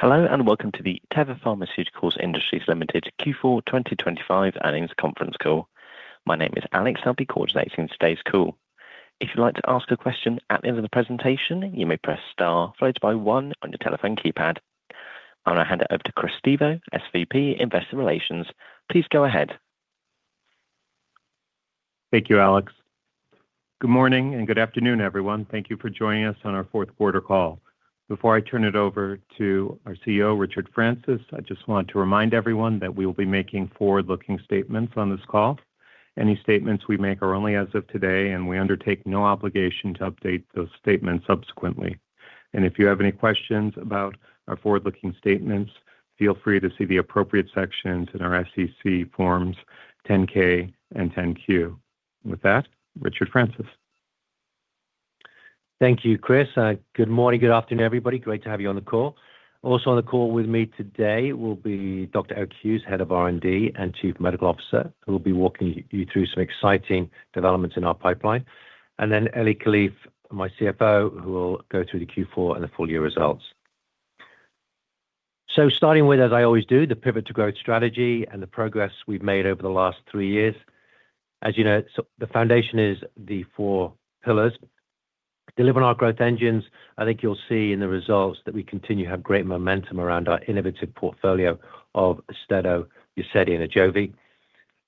Hello, and welcome to the Teva Pharmaceutical Industries Ltd. Q4 2025 Earnings Conference Call. My name is Alex. I'll be coordinating today's call. If you'd like to ask a question at the end of the presentation, you may press Star followed by one on your telephone keypad. I'm going to hand it over to Chris Stevo, SVP, Investor Relations. Please go ahead. Thank you, Alex. Good morning, and good afternoon, everyone. Thank you for joining us on our fourth quarter call. Before I turn it over to our CEO, Richard Francis, I just want to remind everyone that we will be making forward-looking statements on this call. Any statements we make are only as of today, and we undertake no obligation to update those statements subsequently. And if you have any questions about our forward-looking statements, feel free to see the appropriate sections in our SEC forms, 10-K and 10-Q. With that, Richard Francis. Thank you, Chris. Good morning, good afternoon, everybody. Great to have you on the call. Also on the call with me today will be Dr. Eric Hughes, Head of R&D and Chief Medical Officer, who will be walking you through some exciting developments in our pipeline. And then Eli Kalif, my CFO, who will go through the Q4 and the full year results. So starting with, as I always do, the Pivot to Growth strategy and the progress we've made over the last three years. As you know, so the foundation is the four pillars. Delivering our growth engines, I think you'll see in the results that we continue to have great momentum around our innovative portfolio of AUSTEDO, UZEDY, and AJOVY.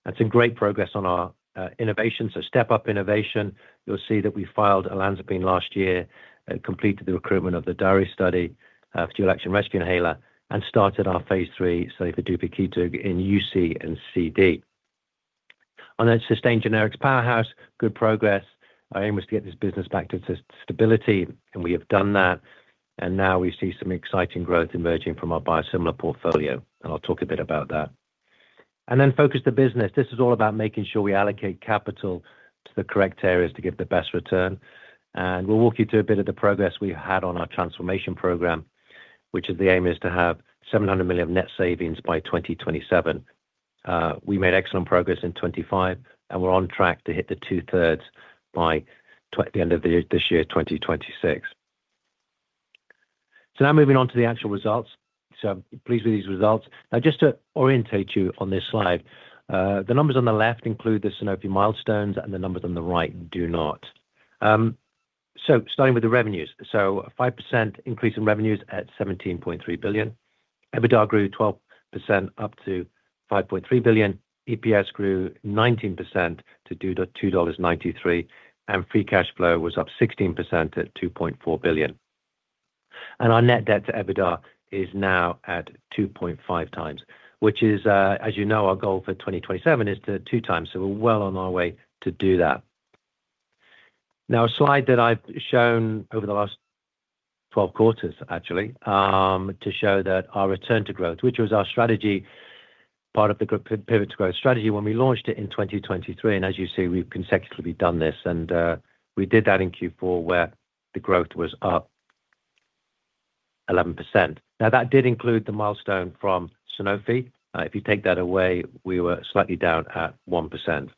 That's great progress on our innovation. So step up innovation, you'll see that we filed Olanzapine last year and completed the recruitment of the DARI study for dual action rescue inhaler, and started our phase III study for Duvakitug in UC and CD. On that sustained generics powerhouse, good progress. Our aim was to get this business back to stability, and we have done that, and now we see some exciting growth emerging from our biosimilar portfolio, and I'll talk a bit about that. And then focus the business. This is all about making sure we allocate capital to the correct areas to give the best return, and we'll walk you through a bit of the progress we had on our transformation program, which is the aim is to have $700 million of net savings by 2027. We made excellent progress in 2025, and we're on track to hit the two-thirds by the end of the year, this year, 2026. So now moving on to the actual results. So I'm pleased with these results. Now, just to orientate you on this slide, the numbers on the left include the Sanofi milestones, and the numbers on the right do not. So starting with the revenues. So 5% increase in revenues at $1.7 billion. EBITDA grew 12%, up to $5.3 billion. EPS grew 19% to $2.93, and free cash flow was up 16% at $2.4 billion. Our net debt to EBITDA is now at 2.5x, which is, as you know, our goal for 2027 is to 2 times, so we're well on our way to do that. Now, a slide that I've shown over the last 12 quarters, actually, to show that our return to growth, which was our strategy, part of the Pivot to Growth strategy when we launched it in 2023, and as you see, we've consecutively done this, and, we did that in Q4, where the growth was up 11%. Now, that did include the milestone from Sanofi. If you take that away, we were slightly down at 1%.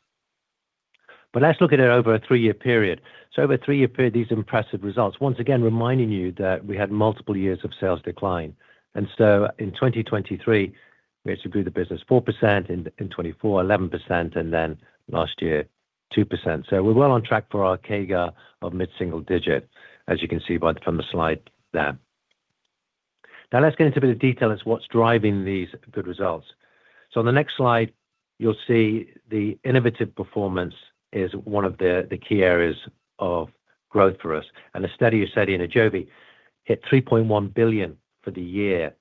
But let's look at it over a three-year period. So over a three-year period, these impressive results, once again, reminding you that we had multiple years of sales decline. So in 2023, we actually grew the business 4%, in 2024, 11%, and then last year, 2%. So we're well on track for our CAGR of mid-single digit, as you can see by from the slide there. Now, let's get into a bit of detail as what's driving these good results. So on the next slide, you'll see the innovative performance is one of the, the key areas of growth for us. And the study you said in AJOVY hit $3.1 billion for the year.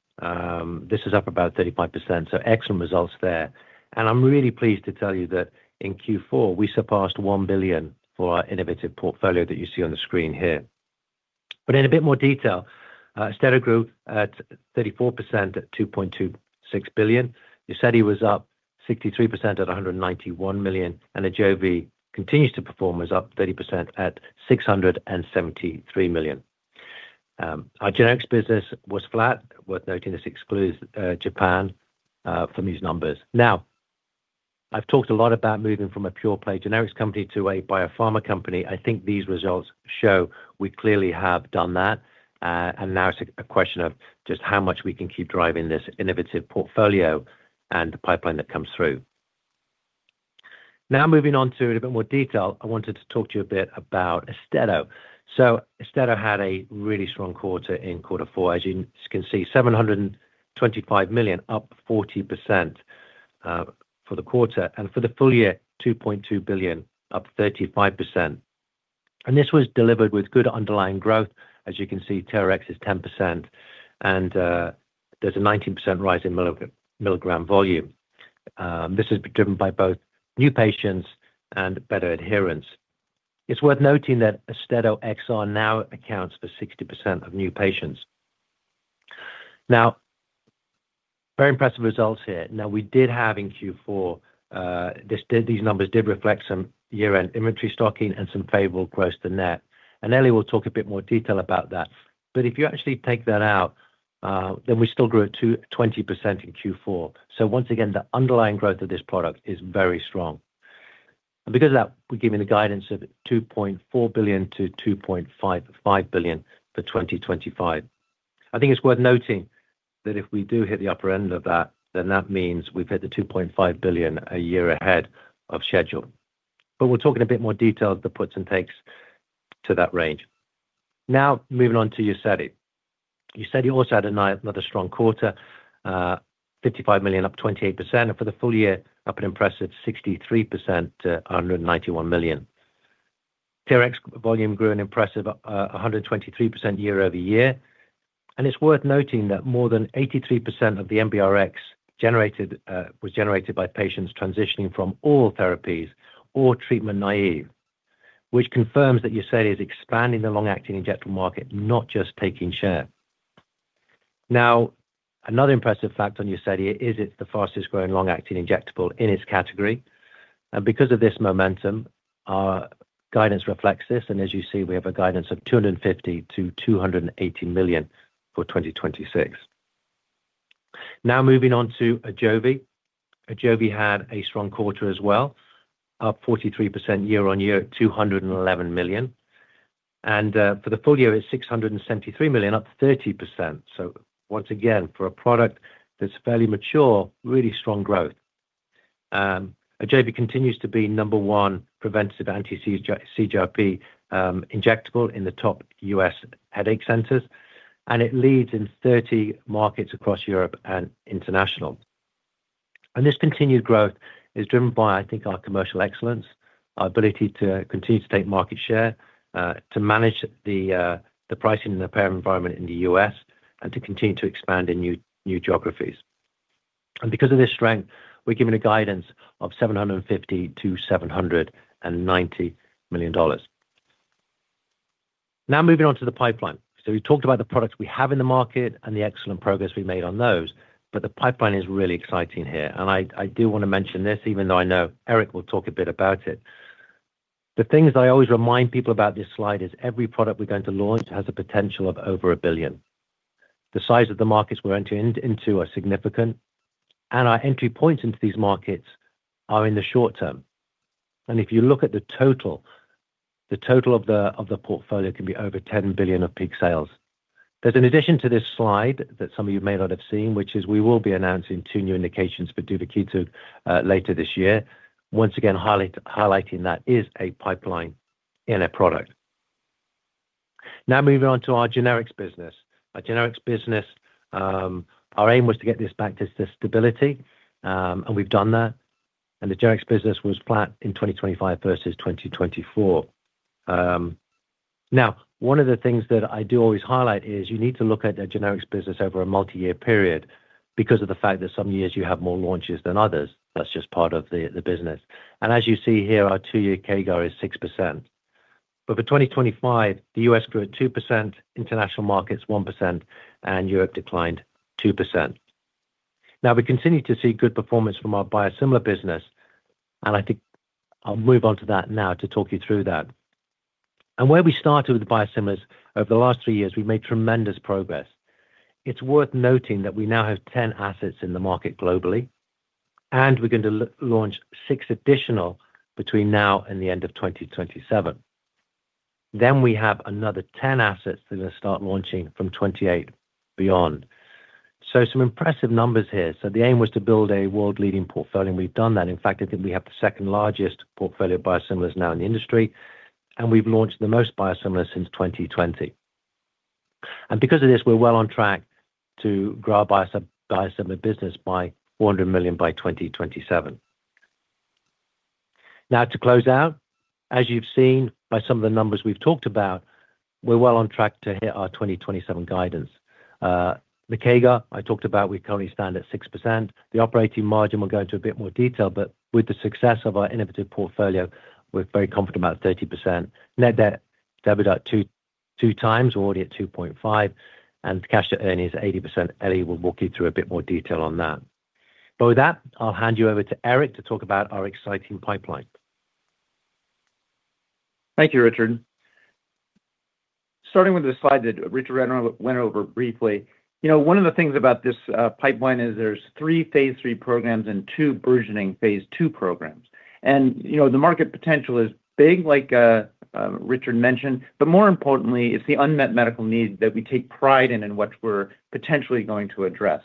This is up about 35%, so excellent results there. And I'm really pleased to tell you that in Q4, we surpassed $1 billion for our innovative portfolio that you see on the screen here. But in a bit more detail, AUSTEDO grew at 34% at $2.26 billion. UZEDY was up 63% at $191 million, and AJOVY continues to perform, was up 30% at $673 million. Our generics business was flat. Worth noting, this excludes Japan from these numbers. Now, I've talked a lot about moving from a pure play generics company to a biopharma company. I think these results show we clearly have done that, and now it's a question of just how much we can keep driving this innovative portfolio and the pipeline that comes through. Now, moving on to a bit more detail, I wanted to talk to you a bit about AUSTEDO. So AUSTEDO had a really strong quarter in quarter four. As you can see, $725 million, up 40% for the quarter, and for the full year, $2.2 billion, up 35%. This was delivered with good underlying growth. As you can see, TRx is 10%, and there's a 19% rise in milligram volume. This has been driven by both new patients and better adherence. It's worth noting that AUSTEDO XR now accounts for 60% of new patients. Now, very impressive results here. Now, we did have in Q4, these numbers did reflect some year-end inventory stocking and some favorable gross-to-net, and Eli will talk a bit more detail about that. But if you actually take that out, then we still grew it to 20% in Q4. So once again, the underlying growth of this product is very strong. And because of that, we're giving the guidance of $2.4 billion-$2.55 billion for 2025. I think it's worth noting that if we do hit the upper end of that, then that means we've hit the $2.5 billion a year ahead of schedule. But we'll talk in a bit more detail of the puts and takes to that range. Now, moving on to UZEDY. UZEDY also had another strong quarter, $55 million, up 28%, and for the full year, up an impressive 63% to $191 million. TRx volume grew an impressive 123% year-over-year, and it's worth noting that more than 83% of the NBRx generated was generated by patients transitioning from all therapies or treatment-naive, which confirms that UZEDY is expanding the long-acting injectable market, not just taking share. Now, another impressive fact on UZEDY is it's the fastest-growing long-acting injectable in its category, and because of this momentum, our guidance reflects this, and as you see, we have a guidance of $250 million-$280 million for 2026. Now moving on to AJOVY. AJOVY had a strong quarter as well, up 43% year-on-year, $211 million. For the full year, it's $673 million, up 30%. So once again, for a product that's fairly mature, really strong growth. AJOVY continues to be number one preventive anti-CGRP injectable in the top U.S. headache centers, and it leads in 30 markets across Europe and international. This continued growth is driven by, I think, our commercial excellence, our ability to continue to take market share, to manage the pricing and the payer environment in the U.S., and to continue to expand in new geographies. Because of this strength, we're giving guidance of $750 million-$790 million. Now moving on to the pipeline. We talked about the products we have in the market and the excellent progress we made on those, but the pipeline is really exciting here, and I do wanna mention this, even though I know Eric will talk a bit about it. The things I always remind people about this slide is every product we're going to launch has a potential of over $1 billion. The size of the markets we're entering into are significant, and our entry points into these markets are in the short term. If you look at the total of the portfolio can be over $10 billion of peak sales. There's an addition to this slide that some of you may not have seen, which is we will be announcing two new indications for Duvakitug later this year. Once again, highlighting that is a pipeline in a product. Now moving on to our generics business. Our generics business, our aim was to get this back to stability, and we've done that, and the generics business was flat in 2025 versus 2024. Now, one of the things that I do always highlight is you need to look at the generics business over a multi-year period because of the fact that some years you have more launches than others. That's just part of the business. And as you see here, our two-year CAGR is 6%. But for 2025, the US grew at 2%, international markets, 1%, and Europe declined 2%. Now, we continue to see good performance from our biosimilar business, and I think I'll move on to that now to talk you through that. And where we started with the biosimilars, over the last three years, we've made tremendous progress. It's worth noting that we now have 10 assets in the market globally, and we're going to launch six additional between now and the end of 2027. Then we have another 10 assets that are going to start launching from 2028 beyond. So some impressive numbers here. So the aim was to build a world-leading portfolio, and we've done that. In fact, I think we have the second-largest portfolio of biosimilars now in the industry, and we've launched the most biosimilars since 2020. And because of this, we're well on track to grow our biosimilar business by $400 million by 2027. Now, to close out, as you've seen by some of the numbers we've talked about, we're well on track to hit our 2027 guidance. The CAGR I talked about, we currently stand at 6%. The operating margin, we'll go into a bit more detail, but with the success of our innovative portfolio, we're very confident about 30%. Net debt to EBITDA at 2.2x, we're already at 2.5, and cash to earnings 80%. Eli will walk you through a bit more detail on that. With that, I'll hand you over to Eric to talk about our exciting pipeline. Thank you, Richard. Starting with the slide that Richard ran over, went over briefly, you know, one of the things about this pipeline is there's three phase III programs and two burgeoning phase II programs. You know, the market potential is big, like Richard mentioned, but more importantly, it's the unmet medical needs that we take pride in and what we're potentially going to address.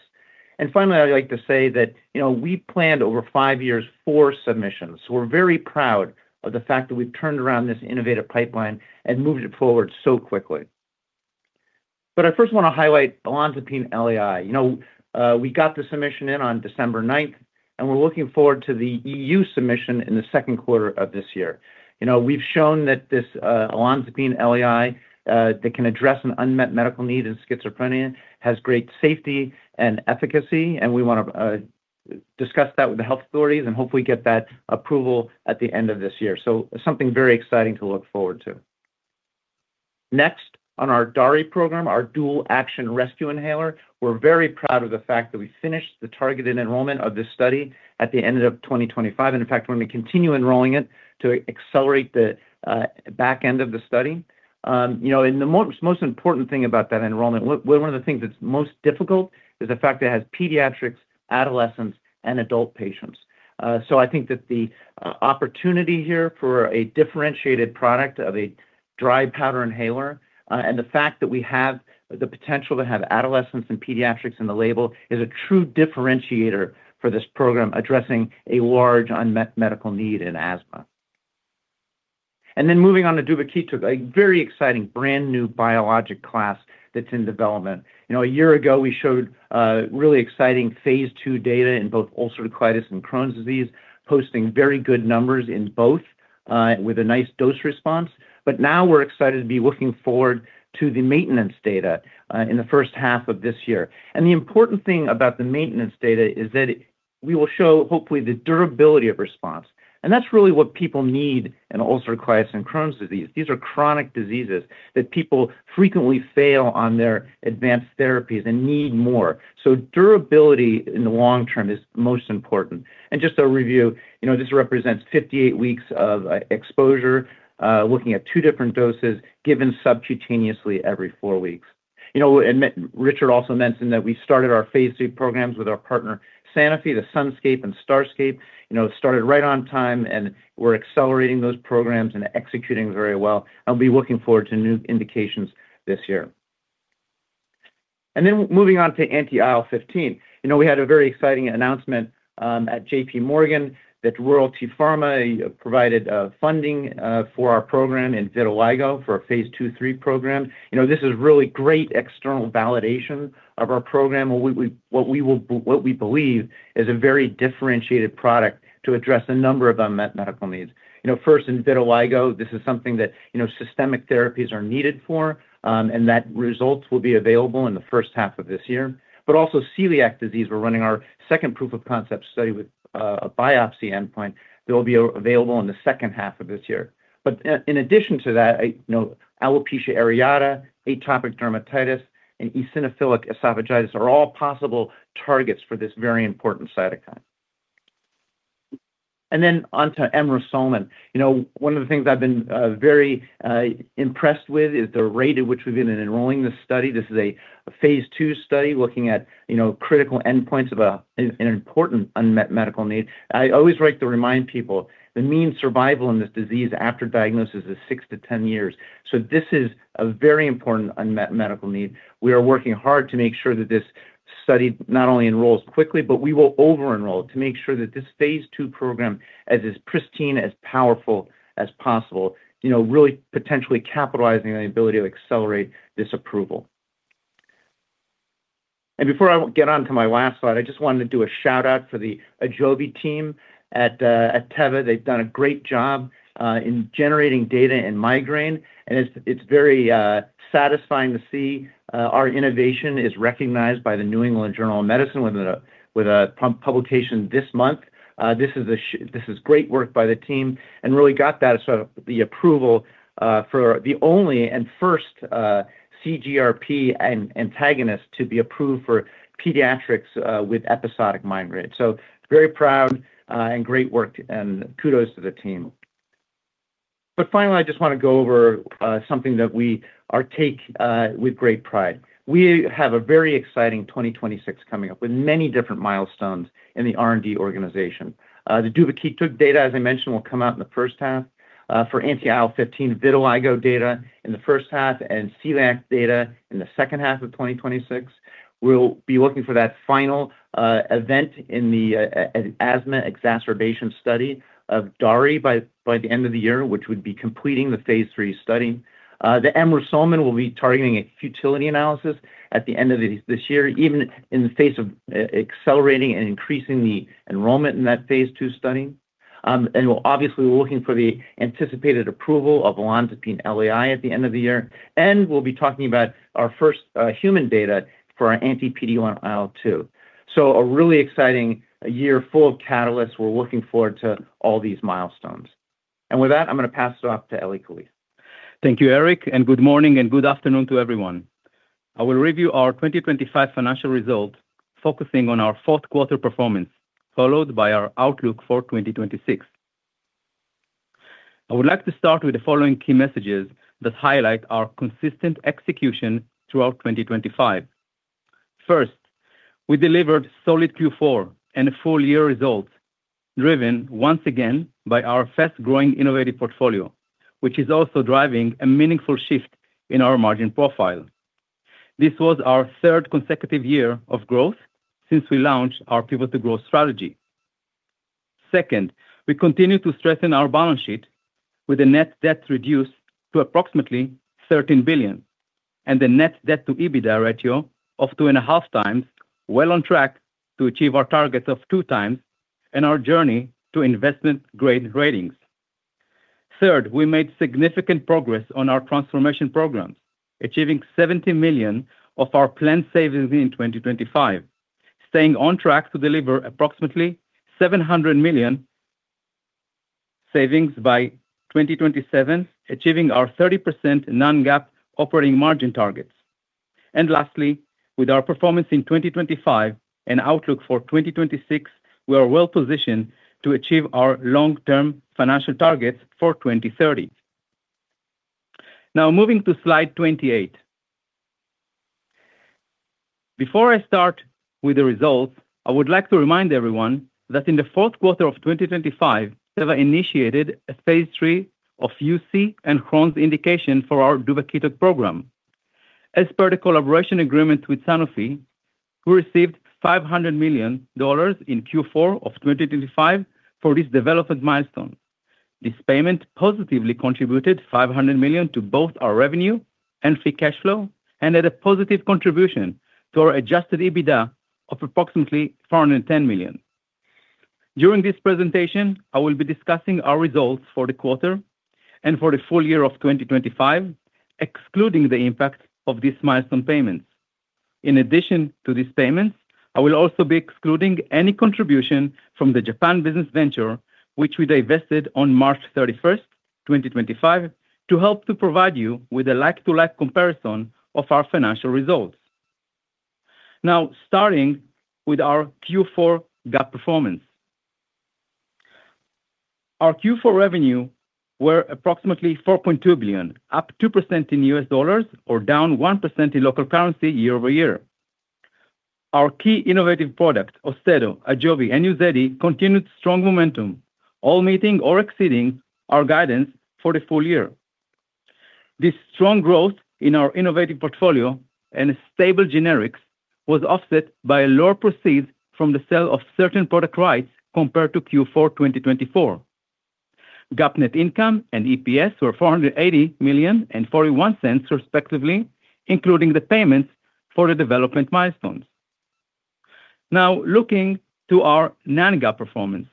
Finally, I'd like to say that, you know, we planned over five years for submissions, so we're very proud of the fact that we've turned around this innovative pipeline and moved it forward so quickly. But I first wanna highlight Olanzapine LAI. You know, we got the submission in on December ninth, and we're looking forward to the EU submission in the second quarter of this year. You know, we've shown that this Olanzapine LAI that can address an unmet medical need in schizophrenia, has great safety and efficacy, and we wanna discuss that with the health authorities and hopefully get that approval at the end of this year. So something very exciting to look forward to. Next, on our DARI program, our Dual Action Rescue Inhaler, we're very proud of the fact that we finished the targeted enrollment of this study at the end of 2025. And in fact, when we continue enrolling it to accelerate the back end of the study, you know, and the most important thing about that enrollment, one of the things that's most difficult is the fact that it has pediatrics, adolescents, and adult patients. So I think that the opportunity here for a differentiated product of a dry powder inhaler, and the fact that we have the potential to have adolescents and pediatrics in the label, is a true differentiator for this program, addressing a large unmet medical need in asthma. And then moving on to Duvakitug, a very exciting brand-new biologic class that's in development. You know, a year ago, we showed really exciting phase II data in both Ulcerative colitis and Crohn's disease, posting very good numbers in both, with a nice dose response. But now we're excited to be looking forward to the maintenance data, in the first half of this year. And the important thing about the maintenance data is that we will show, hopefully, the durability of response, and that's really what people need in Ulcerative colitis and Crohn's disease. These are chronic diseases that people frequently fail on their advanced therapies and need more. So durability in the long term is most important. And just to review, you know, this represents 58 weeks of exposure, looking at two different doses given subcutaneously every four weeks. You know, and Richard also mentioned that we started our phase III programs with our partner, Sanofi, the SUNSCAPE and STARSCAPE. You know, it started right on time, and we're accelerating those programs and executing very well. I'll be looking forward to new indications this year. And then moving on to anti-IL-15. You know, we had a very exciting announcement at JPMorgan, that Royalty Pharma provided funding for our program in vitiligo for a phase II, III program. You know, this is really great external validation of our program, what we believe is a very differentiated product to address a number of unmet medical needs. You know, first, in vitiligo, this is something that, you know, systemic therapies are needed for, and that results will be available in the first half of this year. But also celiac disease, we're running our second proof of concept study with a biopsy endpoint that will be available in the second half of this year. But, in addition to that, you know, alopecia areata, atopic dermatitis, and eosinophilic esophagitis are all possible targets for this very important cytokine. And then on to Emrusolmin. You know, one of the things I've been very impressed with is the rate at which we've been enrolling this study. This is a phase II study, looking at, you know, critical endpoints of an important unmet medical need. I always like to remind people, the mean survival in this disease after diagnosis is six to 10 years. So this is a very important unmet medical need. We are working hard to make sure that this study not only enrolls quickly, but we will over-enroll to make sure that this phase II program is as pristine, as powerful as possible, you know, really potentially capitalizing on the ability to accelerate this approval. Before I get on to my last slide, I just wanted to do a shout-out for the AJOVY team at Teva. They've done a great job in generating data in migraine, and it's very satisfying to see our innovation is recognized by the New England Journal of Medicine, with a publication this month. This is great work by the team and really got that sort of the approval for the only and first CGRP antagonist to be approved for pediatrics with episodic migraine. So very proud, and great work, and kudos to the team. But finally, I just want to go over something that we are taking with great pride. We have a very exciting 2026 coming up, with many different milestones in the R&D organization. The Duvakitug data, as I mentioned, will come out in the first half. For anti-IL-15 vitiligo data in the first half and celiac data in the second half of 2026. We'll be looking for that final event in the asthma exacerbation study of DARI by the end of the year, which would be completing the phase III study. The Emrusolmin will be targeting a futility analysis at the end of this year, even in the face of accelerating and increasing the enrollment in that phase II study. And we'll obviously, we're looking for the anticipated approval of Olanzapine LAI at the end of the year, and we'll be talking about our first human data for our anti-PD1-IL2. So a really exciting year full of catalysts. We're looking forward to all these milestones. And with that, I'm going to pass it off to Eli Kalif. Thank you, Eric, and good morning and good afternoon to everyone. I will review our 2025 financial results, focusing on our fourth quarter performance, followed by our outlook for 2026. I would like to start with the following key messages that highlight our consistent execution throughout 2025. First, we delivered solid Q4 and full year results, driven once again by our fast-growing innovative portfolio, which is also driving a meaningful shift in our margin profile. This was our third consecutive year of growth since we launched our Pivot to Growth strategy. Second, we continue to strengthen our balance sheet with the net debt reduced to approximately $13 billion, and the net debt to EBITDA ratio of 2.5x, well on track to achieve our target of 2x and our journey to investment-grade ratings. Third, we made significant progress on our transformation programs, achieving $70 million of our planned savings in 2025, staying on track to deliver approximately $700 million savings by 2027, achieving our 30% non-GAAP operating margin targets. And lastly, with our performance in 2025 and outlook for 2026, we are well positioned to achieve our long-term financial targets for 2030. Now, moving to slide 28.... Before I start with the results, I would like to remind everyone that in the fourth quarter of 2025, Teva initiated a phase III of UC and Crohn's indication for our Duvakitug program. As per the collaboration agreement with Sanofi, we received $500 million in Q4 of 2025 for this development milestone. This payment positively contributed $500 million to both our revenue and free cash flow, and had a positive contribution to our adjusted EBITDA of approximately $410 million. During this presentation, I will be discussing our results for the quarter and for the full year of 2025, excluding the impact of these milestone payments. In addition to these payments, I will also be excluding any contribution from the Japan Business Venture, which we divested on March 31, 2025, to help to provide you with a like-for-like comparison of our financial results. Now, starting with our Q4 GAAP performance. Our Q4 revenue were approximately $4.2 billion, up 2% in U.S. dollars or down 1% in local currency year-over-year. Our key innovative product, AUSTEDO, AJOVY, and UZEDY, continued strong momentum, all meeting or exceeding our guidance for the full year. This strong growth in our innovative portfolio and stable generics was offset by lower proceeds from the sale of certain product rights compared to Q4 2024. GAAP net income and EPS were $480 million and $0.41, respectively, including the payments for the development milestones. Now, looking to our non-GAAP performance.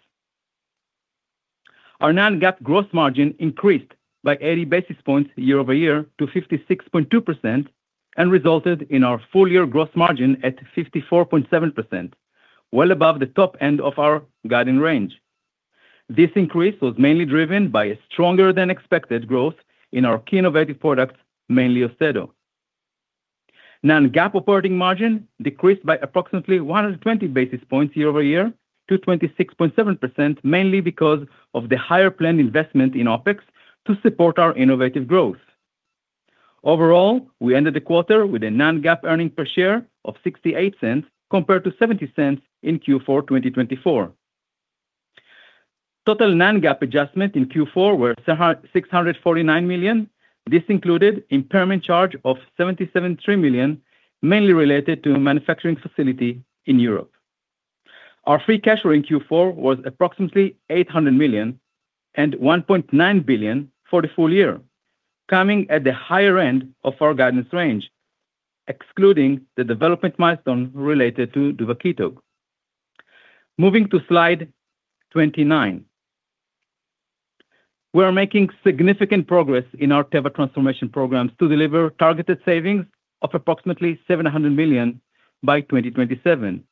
Our non-GAAP gross margin increased by 80 basis points year-over-year to 56.2% and resulted in our full year gross margin at 54.7%, well above the top end of our guiding range. This increase was mainly driven by a stronger than expected growth in our key innovative products, mainly AUSTEDO. Non-GAAP operating margin decreased by approximately 120 basis points year-over-year to 26.7%, mainly because of the higher planned investment in OpEx to support our innovative growth. Overall, we ended the quarter with a non-GAAP earnings per share of $0.68, compared to $0.70 in Q4 2024. Total non-GAAP adjustments in Q4 were $649 million. This included impairment charge of $773 million, mainly related to a manufacturing facility in Europe. Our free cash flow in Q4 was approximately $800 million and $1.9 billion for the full year, coming at the higher end of our guidance range, excluding the development milestone related to Duvakitug. Moving to slide 29. We are making significant progress in our Teva transformation programs to deliver targeted savings of approximately $700 million by 2027,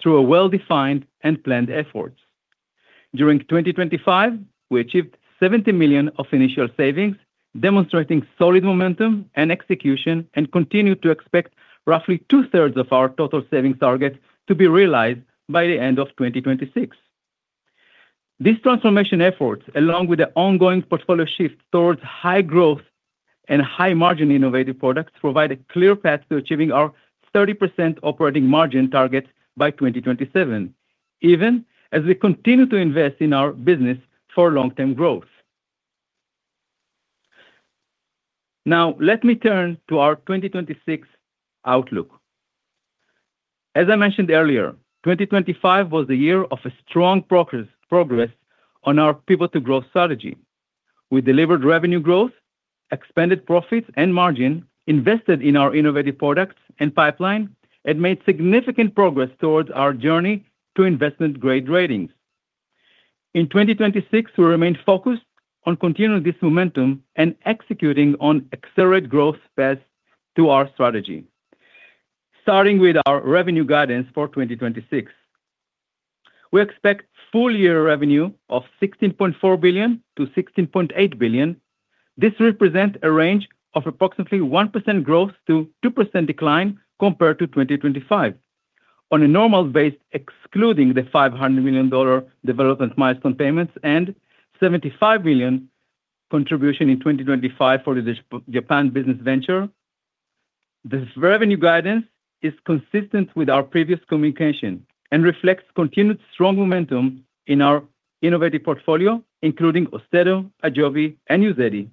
through a well-defined and planned efforts. During 2025, we achieved $70 million of initial savings, demonstrating solid momentum and execution, and continued to expect roughly two-thirds of our total savings target to be realized by the end of 2026. These transformation efforts, along with the ongoing portfolio shift towards high growth and high margin innovative products, provide a clear path to achieving our 30% operating margin target by 2027, even as we continue to invest in our business for long-term growth. Now, let me turn to our 2026 outlook. As I mentioned earlier, 2025 was a year of strong progress on our Pivot to Growth strategy. We delivered revenue growth, expanded profits and margin, invested in our innovative products and pipeline, and made significant progress towards our journey to investment-grade ratings. In 2026, we remain focused on continuing this momentum and executing on accelerated growth path to our strategy. Starting with our revenue guidance for 2026, we expect full-year revenue of $16.4 billion-$16.8 billion. This represents a range of approximately 1% growth to 2% decline compared to 2025. On a normal base, excluding the $500 million development milestone payments and $75 million contribution in 2025 for the Japan business venture, this revenue guidance is consistent with our previous communication and reflects continued strong momentum in our innovative portfolio, including AUSTEDO, AJOVY, and UZEDY,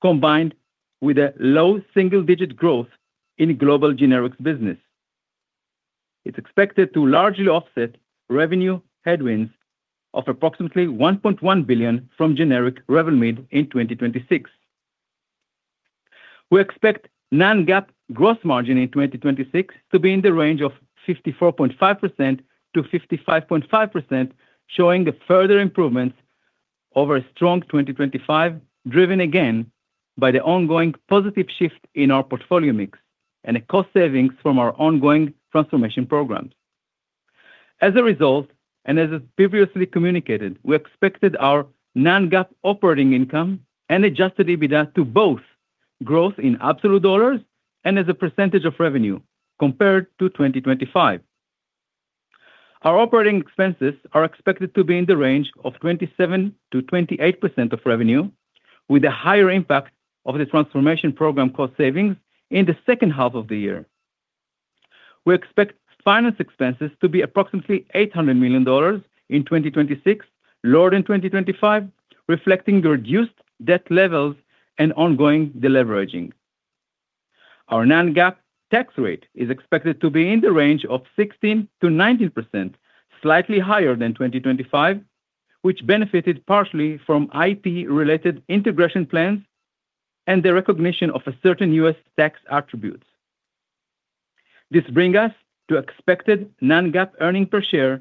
combined with a low single-digit growth in global generics business. It's expected to largely offset revenue headwinds of approximately $1.1 billion from generic Revlimid in 2026. We expect non-GAAP gross margin in 2026 to be in the range of 54.5%-55.5%, showing a further improvements over a strong 2025, driven again by the ongoing positive shift in our portfolio mix and a cost savings from our ongoing transformation programs. As a result, and as previously communicated, we expected our non-GAAP operating income and adjusted EBITDA to both growth in absolute dollars and as a percentage of revenue compared to 2025.... Our operating expenses are expected to be in the range of 27%-28% of revenue, with a higher impact of the transformation program cost savings in the second half of the year. We expect finance expenses to be approximately $800 million in 2026, lower in 2025, reflecting the reduced debt levels and ongoing deleveraging. Our non-GAAP tax rate is expected to be in the range of 16%-19%, slightly higher than 2025, which benefited partially from IP-related integration plans and the recognition of a certain U.S. tax attributes. This bring us to expected non-GAAP earnings per share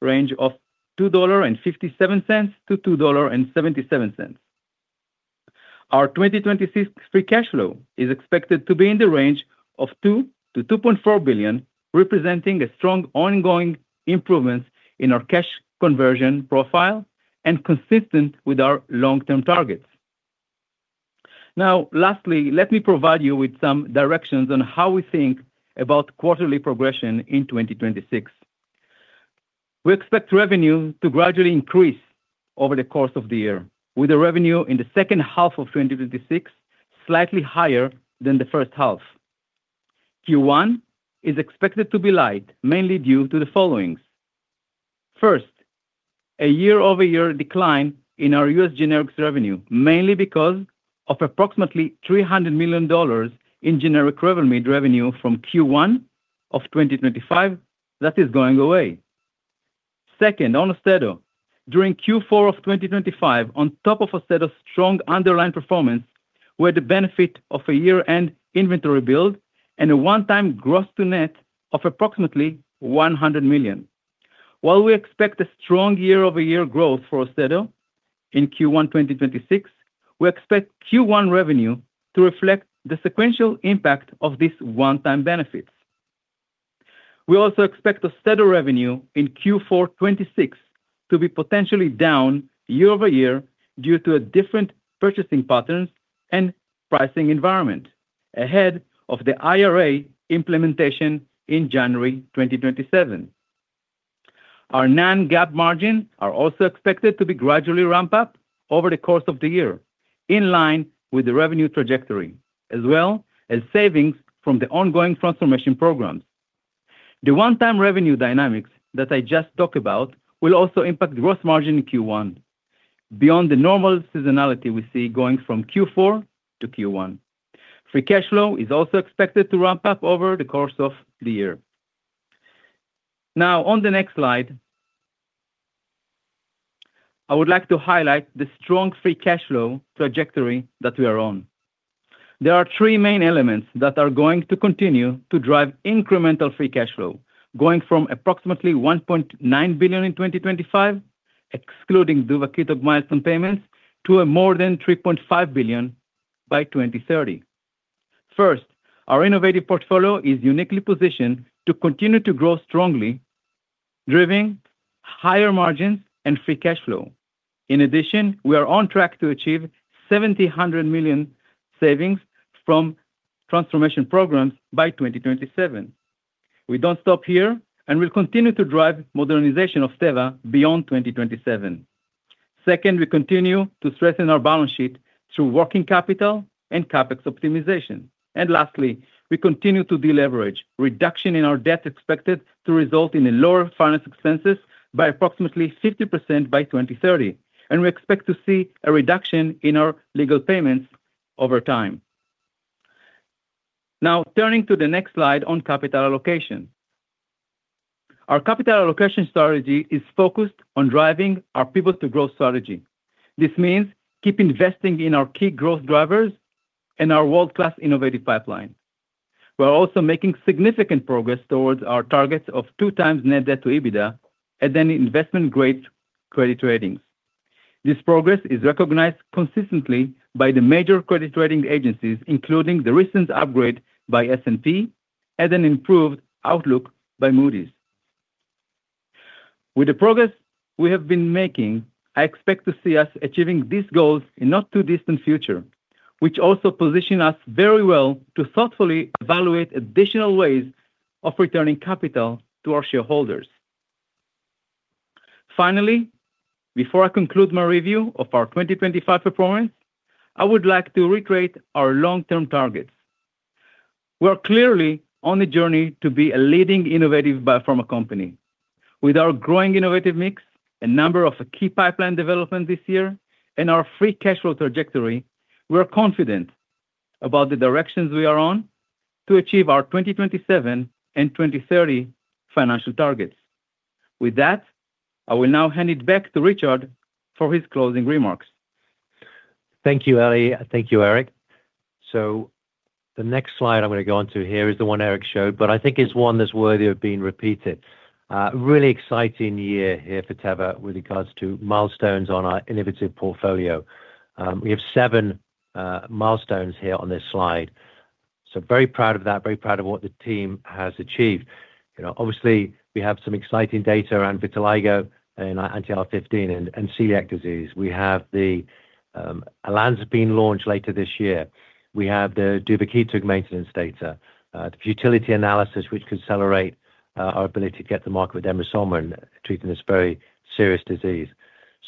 range of $2.57 to $2.77. Our 2026 free cash flow is expected to be in the range of $2 billion-$2.4 billion, representing a strong ongoing improvement in our cash conversion profile and consistent with our long-term targets. Now, lastly, let me provide you with some directions on how we think about quarterly progression in 2026. We expect revenue to gradually increase over the course of the year, with the revenue in the second half of 2026 slightly higher than the first half. Q1 is expected to be light, mainly due to the following. First, a year-over-year decline in our U.S. generics revenue, mainly because of approximately $300 million in generic Revlimid revenue from Q1 of 2025, that is going away. Second, on AUSTEDO. During Q4 of 2025, on top of AUSTEDO's strong underlying performance, we had the benefit of a year-end inventory build and a one-time gross-to-net of approximately $100 million. While we expect a strong year-over-year growth for AUSTEDO in Q1 2026, we expect Q1 revenue to reflect the sequential impact of these one-time benefits. We also expect AUSTEDO revenue in Q4 2026 to be potentially down year-over-year due to a different purchasing patterns and pricing environment ahead of the IRA implementation in January 2027. Our non-GAAP margins are also expected to be gradually ramp up over the course of the year, in line with the revenue trajectory, as well as savings from the ongoing transformation programs. The one-time revenue dynamics that I just talked about will also impact gross margin in Q1. Beyond the normal seasonality we see going from Q4 to Q1. Free cash flow is also expected to ramp up over the course of the year. Now, on the next slide, I would like to highlight the strong free cash flow trajectory that we are on. There are three main elements that are going to continue to drive incremental free cash flow, going from approximately $1.9 billion in 2025, excluding Duvakitug milestone payments, to more than $3.5 billion by 2030. First, our innovative portfolio is uniquely positioned to continue to grow strongly, driving higher margins and free cash flow. In addition, we are on track to achieve $700 million savings from transformation programs by 2027. We don't stop here, and we'll continue to drive modernization of Teva beyond 2027. Second, we continue to strengthen our balance sheet through working capital and CapEx optimization. Lastly, we continue to deleverage. Reduction in our debt expected to result in lower finance expenses by approximately 50% by 2030, and we expect to see a reduction in our legal payments over time. Now, turning to the next slide on capital allocation. Our capital allocation strategy is focused on driving our Pivot to Growth strategy. This means keep investing in our key growth drivers and our world-class innovative pipeline. We're also making significant progress towards our targets of 2x net debt to EBITDA at an investment-grade credit ratings. This progress is recognized consistently by the major credit rating agencies, including the recent upgrade by S&P and an improved outlook by Moody's. With the progress we have been making, I expect to see us achieving these goals in not too distant future, which also position us very well to thoughtfully evaluate additional ways of returning capital to our shareholders. Finally, before I conclude my review of our 2025 performance, I would like to reiterate our long-term targets. We are clearly on a journey to be a leading innovative biopharma company. With our growing innovative mix, a number of key pipeline developments this year, and our free cash flow trajectory, we are confident about the directions we are on to achieve our 2027 and 2030 financial targets. With that, I will now hand it back to Richard for his closing remarks. Thank you, Eli. Thank you, Eric. The next slide I'm going to go on to here is the one Eric showed, but I think it's one that's worthy of being repeated. Really exciting year here for Teva with regards to milestones on our innovative portfolio. We have seven milestones here on this slide, so very proud of that, very proud of what the team has achieved. You know, obviously, we have some exciting data around vitiligo and anti-IL-15 and celiac disease. We have the Olanzapine launch later this year. We have the Duvakitug maintenance data, the futility analysis, which could celebrate our ability to get to market with denosumab in treating this very serious disease.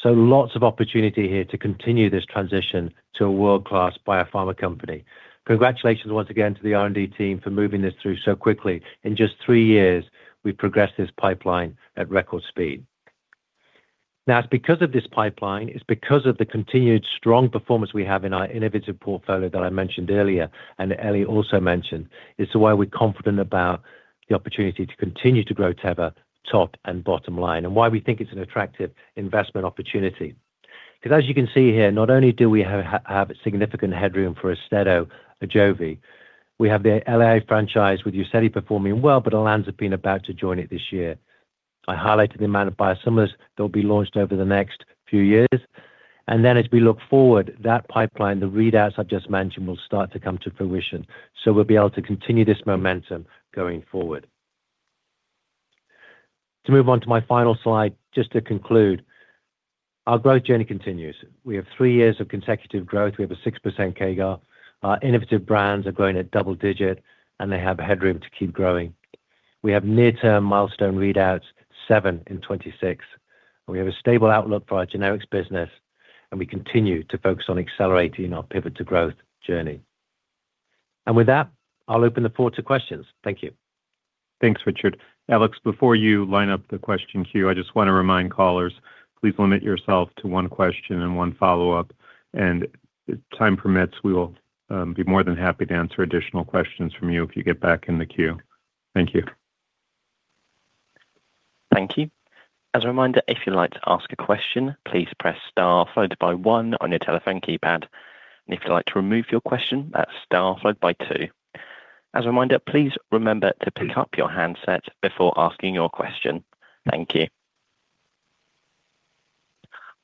Lots of opportunity here to continue this transition to a world-class biopharma company. Congratulations once again to the R&D team for moving this through so quickly. In just three years, we've progressed this pipeline at record speed. Now, it's because of this pipeline, it's because of the continued strong performance we have in our innovative portfolio that I mentioned earlier, and Eli also mentioned, it's why we're confident about the opportunity to continue to grow Teva top and bottom line, and why we think it's an attractive investment opportunity. Because as you can see here, not only do we have a significant headroom for AUSTEDO, AJOVY, we have the LA franchise with UZEDY performing well, but Olanzapine about to join it this year. I highlighted the amount of biosimilars that will be launched over the next few years, and then as we look forward, that pipeline, the readouts I've just mentioned, will start to come to fruition, so we'll be able to continue this momentum going forward. To move on to my final slide, just to conclude, our growth journey continues. We have three years of consecutive growth. We have a 6% CAGR. Our innovative brands are growing at double-digit, and they have headroom to keep growing. We have near-term milestone readouts, seven in 2026, and we have a stable outlook for our generics business, and we continue to focus on accelerating our Pivot to Growth journey. With that, I'll open the floor to questions. Thank you. Thanks, Richard. Alex, before you line up the question queue, I just want to remind callers, please limit yourself to one question and one follow-up, and if time permits, we will be more than happy to answer additional questions from you if you get back in the queue. Thank you. Thank you. As a reminder, if you'd like to ask a question, please press Star followed by one on your telephone keypad. If you'd like to remove your question, that's Star followed by two. As a reminder, please remember to pick up your handset before asking your question. Thank you.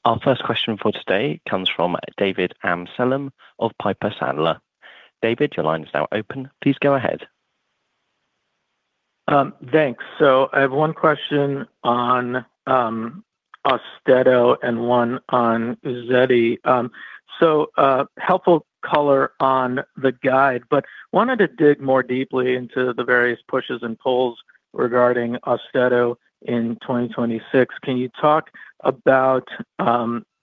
Our first question for today comes from David Amsellem of Piper Sandler. David, your line is now open. Please go ahead. Thanks. So I have one question on AUSTEDO and one on UZEDY. Helpful color on the guide, but wanted to dig more deeply into the various pushes and pulls regarding AUSTEDO in 2026. Can you talk about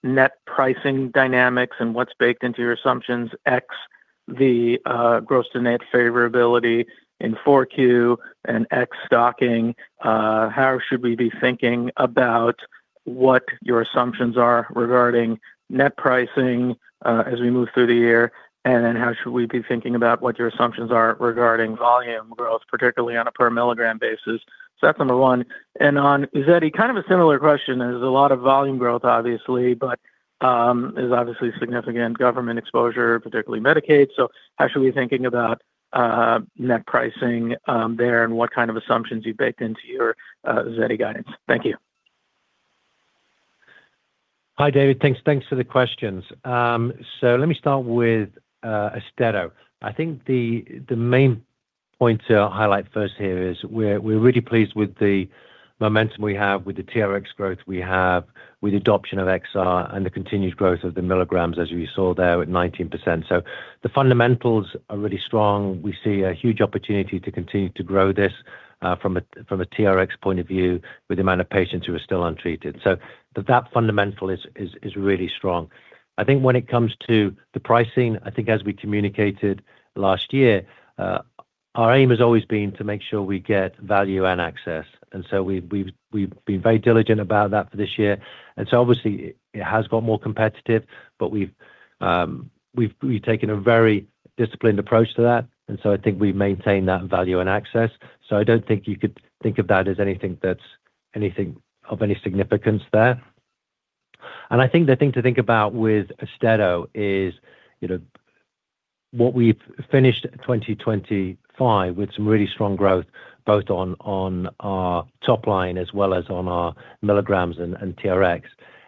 net pricing dynamics and what's baked into your assumptions ex the gross-to-net favorability in 4Q and ex stocking? How should we be thinking about what your assumptions are regarding net pricing as we move through the year? And then how should we be thinking about what your assumptions are regarding volume growth, particularly on a per milligram basis? So that's number one. And on UZEDY, kind of a similar question. There's a lot of volume growth, obviously, but there's obviously significant government exposure, particularly Medicaid. So how should we be thinking about net pricing there, and what kind of assumptions you baked into your UZEDY guidance? Thank you. Hi, David. Thanks. Thanks for the questions. So let me start with AUSTEDO. I think the main point to highlight first here is we're really pleased with the momentum we have, with the TRx growth we have, with adoption of XR and the continued growth of the milligrams, as you saw there, with 19%. So the fundamentals are really strong. We see a huge opportunity to continue to grow this, from a TRx point of view, with the amount of patients who are still untreated. So that fundamental is really strong. I think when it comes to the pricing, I think as we communicated last year, our aim has always been to make sure we get value and access, and so we've, we've, we've been very diligent about that for this year, and so obviously, it has got more competitive, but we've, we've taken a very disciplined approach to that, and so I think we've maintained that value and access. So I don't think you could think of that as anything that's anything of any significance there. And I think the thing to think about with AUSTEDO is, you know, what we've finished 2025 with some really strong growth, both on, on our top line as well as on our milligrams and, and TRx.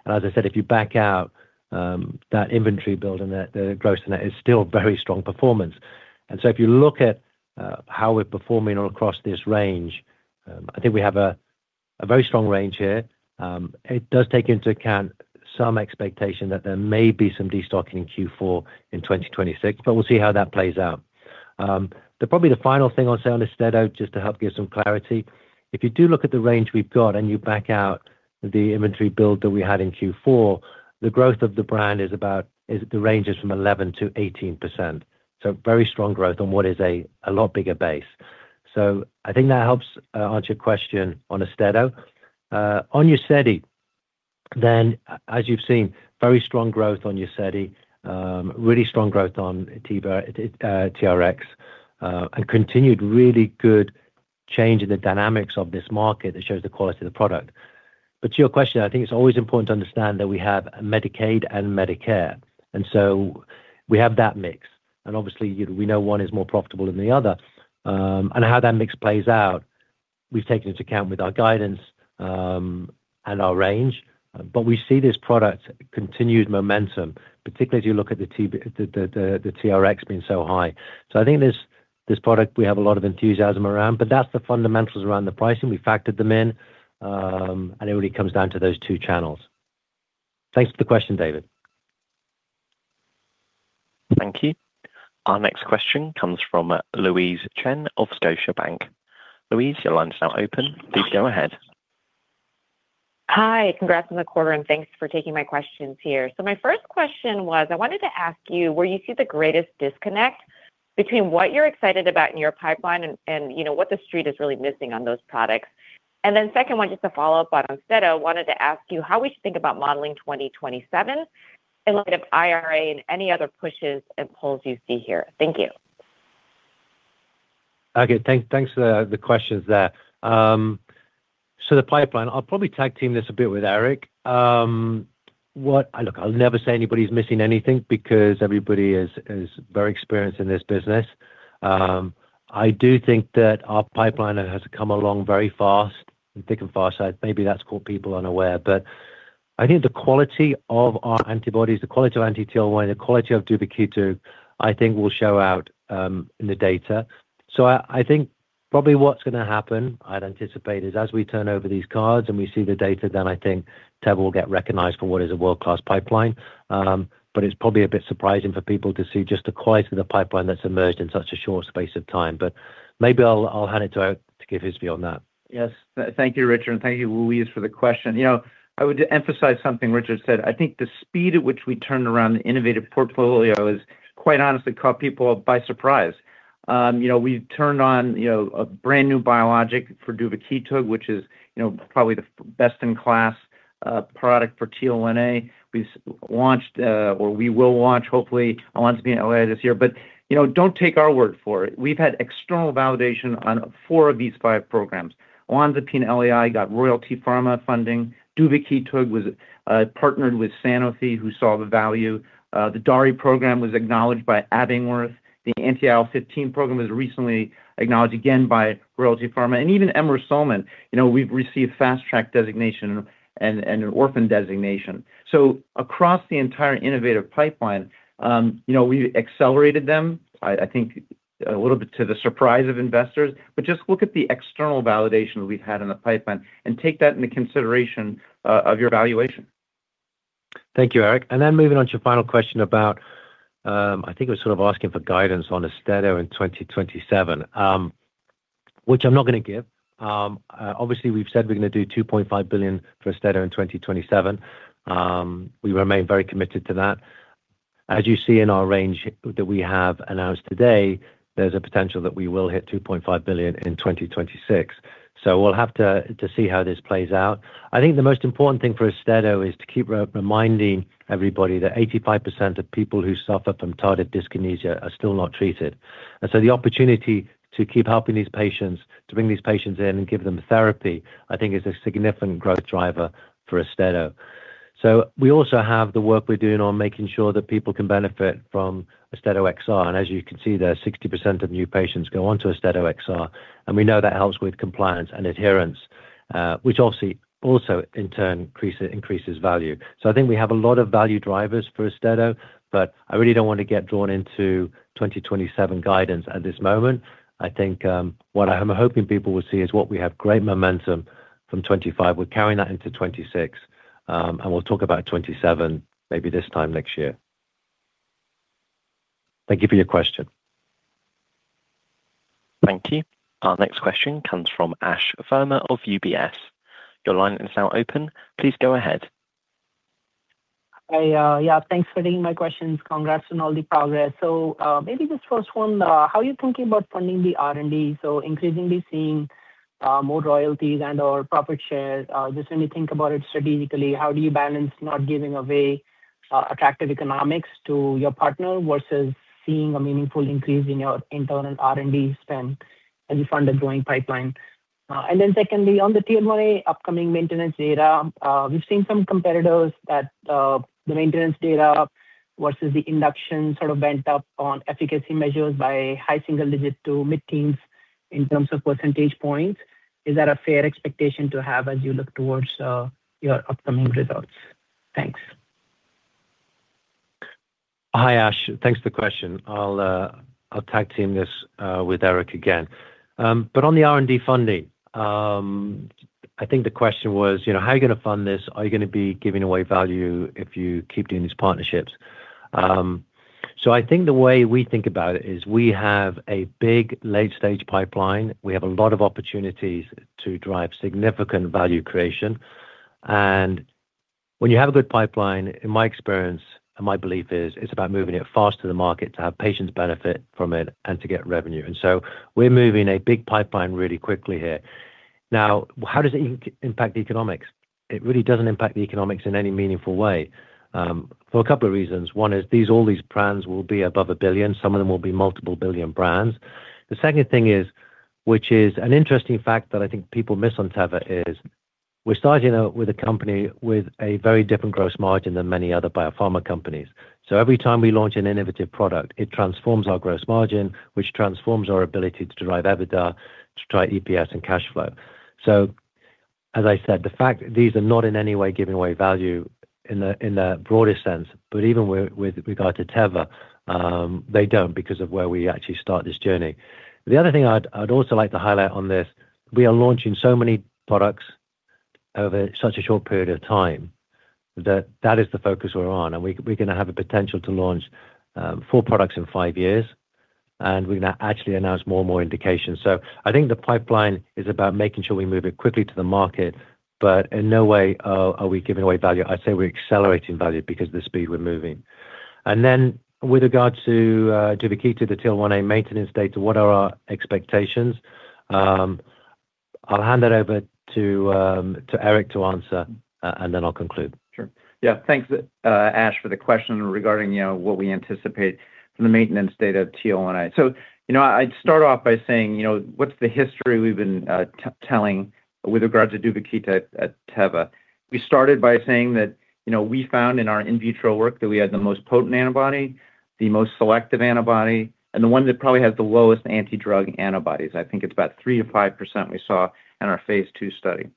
And as I said, if you back out, that inventory build and the, the gross in it, is still very strong performance. If you look at how we're performing all across this range, I think we have a very strong range here. It does take into account some expectation that there may be some destocking in Q4 in 2026, but we'll see how that plays out. But probably the final thing I'll say on AUSTEDO, just to help give some clarity, if you do look at the range we've got and you back out the inventory build that we had in Q4, the growth of the brand is the range from 11%-18%. So very strong growth on what is a lot bigger base. So I think that helps answer your question on AUSTEDO. On UZEDY, then, as you've seen, very strong growth on UZEDY, really strong growth on Teva, TRx, and continued really good change in the dynamics of this market that shows the quality of the product. But to your question, I think it's always important to understand that we have Medicaid and Medicare, and so we have that mix. And obviously, you know, we know one is more profitable than the other. And how that mix plays out, we've taken into account with our guidance, and our range, but we see this product continued momentum, particularly as you look at the TRx being so high. So I think this, this product, we have a lot of enthusiasm around, but that's the fundamentals around the pricing. We factored them in, and it really comes down to those two channels. Thanks for the question, David.... Thank you. Our next question comes from Louise Chen of Scotiabank. Louise, your line is now open. Please go ahead. Hi, congrats on the quarter, and thanks for taking my questions here. So my first question was, I wanted to ask you, where you see the greatest disconnect between what you're excited about in your pipeline and, you know, what the street is really missing on those products? And then second one, just to follow up on AUSTEDO, I wanted to ask you how we should think about modeling 2027 in light of IRA and any other pushes and pulls you see here? Thank you. Okay, thanks, thanks for the questions there. So the pipeline, I'll probably tag team this a bit with Eric. Look, I'll never say anybody's missing anything because everybody is very experienced in this business. I do think that our pipeline has come along very fast and thick and fast. Maybe that's caught people unaware, but I think the quality of our antibodies, the quality of anti-TL1A, the quality of Duvakitug, I think will show out in the data. So I think probably what's gonna happen, I'd anticipate, is as we turn over these cards and we see the data, then I think Teva will get recognized for what is a world-class pipeline. But it's probably a bit surprising for people to see just the quality of the pipeline that's emerged in such a short space of time. But maybe I'll hand it to Eric to give his view on that. Yes. Thank you, Richard, and thank you, Louise, for the question. You know, I would emphasize something Richard said. I think the speed at which we turned around the innovative portfolio has, quite honestly, caught people by surprise. You know, we've turned on, you know, a brand-new biologic for Duvakitug, which is, you know, probably the best-in-class product for TL1A. We've launched, or we will launch, hopefully, Olanzapine LAI this year. But, you know, don't take our word for it. We've had external validation on four of these five programs. Olanzapine LAI got Royalty Pharma funding. Duvakitug was partnered with Sanofi, who saw the value. The DARI program was acknowledged by Abingworth. The anti-IL-15 program was recently acknowledged again by Royalty Pharma. And even Emrusolmin, you know, we've received fast track designation and an orphan designation. So across the entire innovative pipeline, you know, we've accelerated them. I think a little bit to the surprise of investors. But just look at the external validation we've had in the pipeline and take that into consideration of your evaluation. Thank you, Eric. Then moving on to your final question about, I think it was sort of asking for guidance on AUSTEDO in 2027, which I'm not gonna give. Obviously, we've said we're gonna do $2.5 billion for AUSTEDO in 2027. We remain very committed to that. As you see in our range that we have announced today, there's a potential that we will hit $2.5 billion in 2026. So we'll have to see how this plays out. I think the most important thing for AUSTEDO is to keep reminding everybody that 85% of people who suffer from Tardive dyskinesia are still not treated. And so the opportunity to keep helping these patients, to bring these patients in and give them therapy, I think, is a significant growth driver for AUSTEDO. So we also have the work we're doing on making sure that people can benefit from AUSTEDO XR, and as you can see, there, 60% of new patients go on to AUSTEDO XR. And we know that helps with compliance and adherence, which obviously also, in turn, increases value. So I think we have a lot of value drivers for AUSTEDO, but I really don't want to get drawn into 2027 guidance at this moment. I think, what I'm hoping people will see is what we have great momentum from 2025. We're carrying that into 2026, and we'll talk about 2027 maybe this time next year. Thank you for your question. Thank you. Our next question comes from Ash Verma of UBS. Your line is now open. Please go ahead. Yeah, thanks for taking my questions. Congrats on all the progress. Maybe just first one, how are you thinking about funding the R&D? Increasingly seeing more royalties and/or profit shares. Just when you think about it strategically, how do you balance not giving away attractive economics to your partner versus seeing a meaningful increase in your internal R&D spend as you fund a growing pipeline? And then secondly, on the TL1A upcoming maintenance data, we've seen some competitors that the maintenance data versus the induction sort of bent up on efficacy measures by high single digit to mid-teens in terms of percentage points. Is that a fair expectation to have as you look towards your upcoming results? Thanks. Hi, Ash. Thanks for the question. I'll tag-team this with Eric again. But on the R&D funding, I think the question was, you know, how are you gonna fund this? Are you gonna be giving away value if you keep doing these partnerships? So I think the way we think about it is we have a big late-stage pipeline. We have a lot of opportunities to drive significant value creation. And when you have a good pipeline, in my experience and my belief is, it's about moving it fast to the market to have patients benefit from it and to get revenue. And so we're moving a big pipeline really quickly here. Now, how does it impact the economics? It really doesn't impact the economics in any meaningful way, for a couple of reasons. One is these—all these brands will be above $1 billion, some of them will be multiple billion brands. The second thing is, which is an interesting fact that I think people miss on Teva, is we're starting out with a company with a very different gross margin than many other biopharma companies. So every time we launch an innovative product, it transforms our gross margin, which transforms our ability to derive EBITDA, to try EPS and cash flow. So as I said, the fact these are not in any way giving away value in the broadest sense, but even with regard to Teva, they don't because of where we actually start this journey. The other thing I'd also like to highlight on this, we are launching so many products.... Over such a short period of time, that that is the focus we're on, and we, we're gonna have a potential to launch four products in five years, and we're gonna actually announce more and more indications. So I think the pipeline is about making sure we move it quickly to the market, but in no way are we giving away value. I'd say we're accelerating value because of the speed we're moving. And then with regards to, to the key, to the TL1A maintenance data, what are our expectations? I'll hand it over to, to Eric to answer, and then I'll conclude. Sure. Yeah. Thanks, Ash, for the question regarding, you know, what we anticipate from the maintenance data at TL1A. So, you know, I'd start off by saying, you know, what's the history we've been telling with regards to Duvakitug at Teva? We started by saying that, you know, we found in our in vitro work that we had the most potent antibody, the most selective antibody, and the one that probably has the lowest anti-drug antibodies. I think it's about 3%-5% we saw in our phase II study.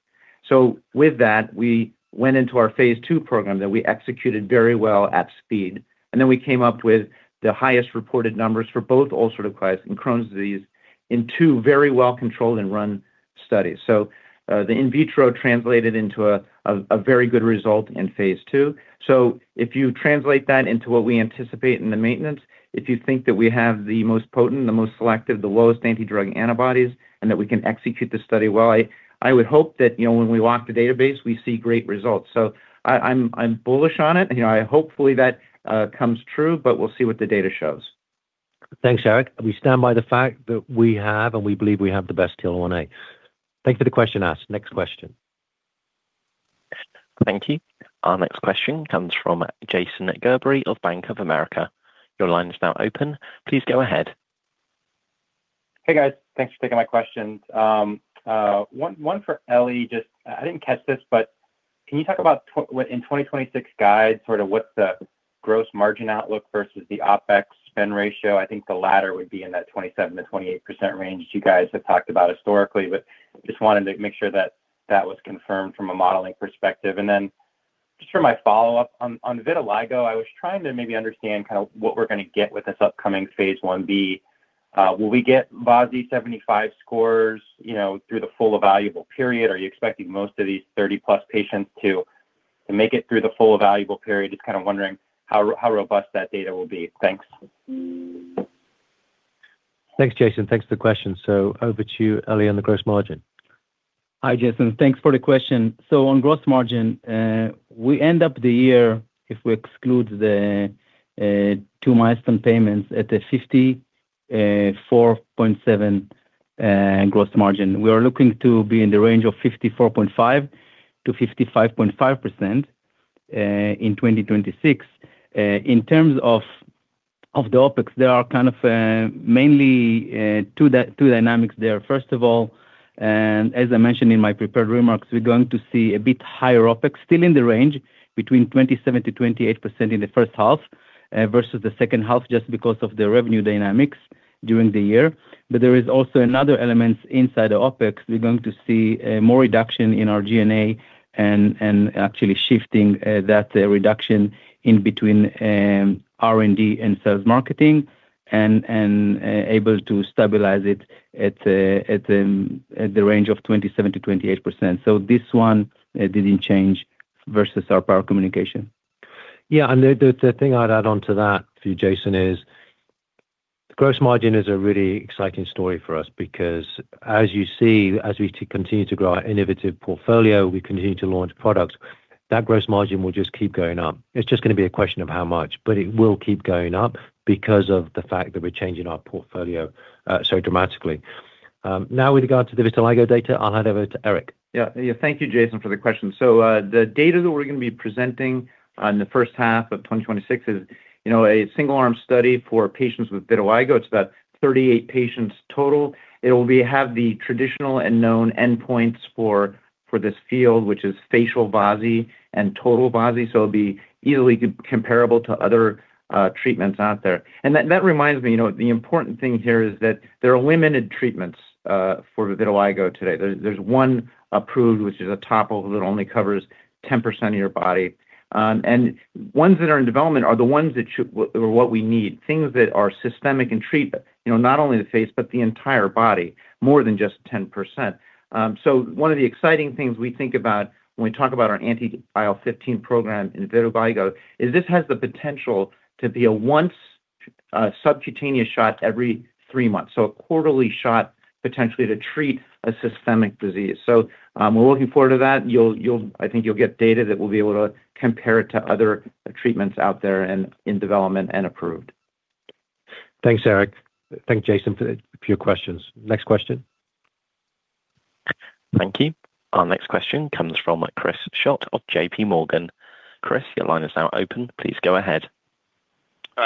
So with that, we went into our phase II program that we executed very well at speed, and then we came up with the highest reported numbers for both Ulcerative colitis and Crohn's disease in two very well controlled and run studies. So, the in vitro translated into a very good result in phase II. So if you translate that into what we anticipate in the maintenance, if you think that we have the most potent, the most selective, the lowest anti-drug antibodies, and that we can execute the study well, I would hope that, you know, when we lock the database, we see great results. So I'm bullish on it, and, you know, hopefully, that comes true, but we'll see what the data shows. Thanks, Eric. We stand by the fact that we have, and we believe we have the best TL1A. Thank you for the question, Ash. Next question. Thank you. Our next question comes from Jason Gerberry of Bank of America. Your line is now open. Please go ahead. Hey, guys. Thanks for taking my questions. One for Eli. Just I didn't catch this, but can you talk about what in 2026 guide, sort of what's the gross margin outlook versus the OpEx spend ratio? I think the latter would be in that 27%-28% range you guys have talked about historically, but just wanted to make sure that that was confirmed from a modeling perspective. And then just for my follow-up, on vitiligo, I was trying to maybe understand kind of what we're gonna get with this upcoming phase I-B. Will we get VASI-75 scores, you know, through the full evaluable period? Are you expecting most of these 30+ patients to make it through the full evaluable period? Just kind of wondering how robust that data will be. Thanks. Thanks, Jason. Thanks for the question. So over to you, Eli, on the gross margin. Hi, Jason. Thanks for the question. So on gross margin, we end up the year, if we exclude the two milestone payments, at a 54.7 gross margin. We are looking to be in the range of 54.5%-55.5% in 2026. In terms of the OpEx, there are kind of mainly two dynamics there. First of all, and as I mentioned in my prepared remarks, we're going to see a bit higher OpEx, still in the range between 27%-28% in the first half versus the second half, just because of the revenue dynamics during the year. But there is also another element inside the OpEx. We're going to see more reduction in our G&A and actually shifting that reduction in between R&D and sales marketing and able to stabilize it at the range of 27%-28%. So this one didn't change versus our prior communication. Yeah, and the thing I'd add on to that for you, Jason, is gross margin is a really exciting story for us because as you see, as we continue to grow our innovative portfolio, we continue to launch products, that gross margin will just keep going up. It's just gonna be a question of how much, but it will keep going up because of the fact that we're changing our portfolio so dramatically. Now, with regard to the vitiligo data, I'll hand over to Eric. Yeah. Yeah. Thank you, Jason, for the question. So, the data that we're gonna be presenting on the first half of 2026 is, you know, a single-arm study for patients with vitiligo. It's about 38 patients total. It will have the traditional and known endpoints for this field, which is facial VASI and total VASI, so it'll be easily comparable to other treatments out there. And that reminds me, you know, the important thing here is that there are limited treatments for vitiligo today. There's one approved, which is a topical that only covers 10% of your body. And ones that are in development are the ones that should... What we need, things that are systemic in treatment, you know, not only the face, but the entire body, more than just 10%. So one of the exciting things we think about when we talk about our anti-IL-15 program in vitiligo is this has the potential to be a once, subcutaneous shot every three months, so a quarterly shot potentially to treat a systemic disease. We're looking forward to that. You'll get data that will be able to compare it to other treatments out there and in development and approved. Thanks, Eric. Thank you, Jason, for the few questions. Next question. Thank you. Our next question comes from Chris Schott of JPMorgan. Chris, your line is now open. Please go ahead.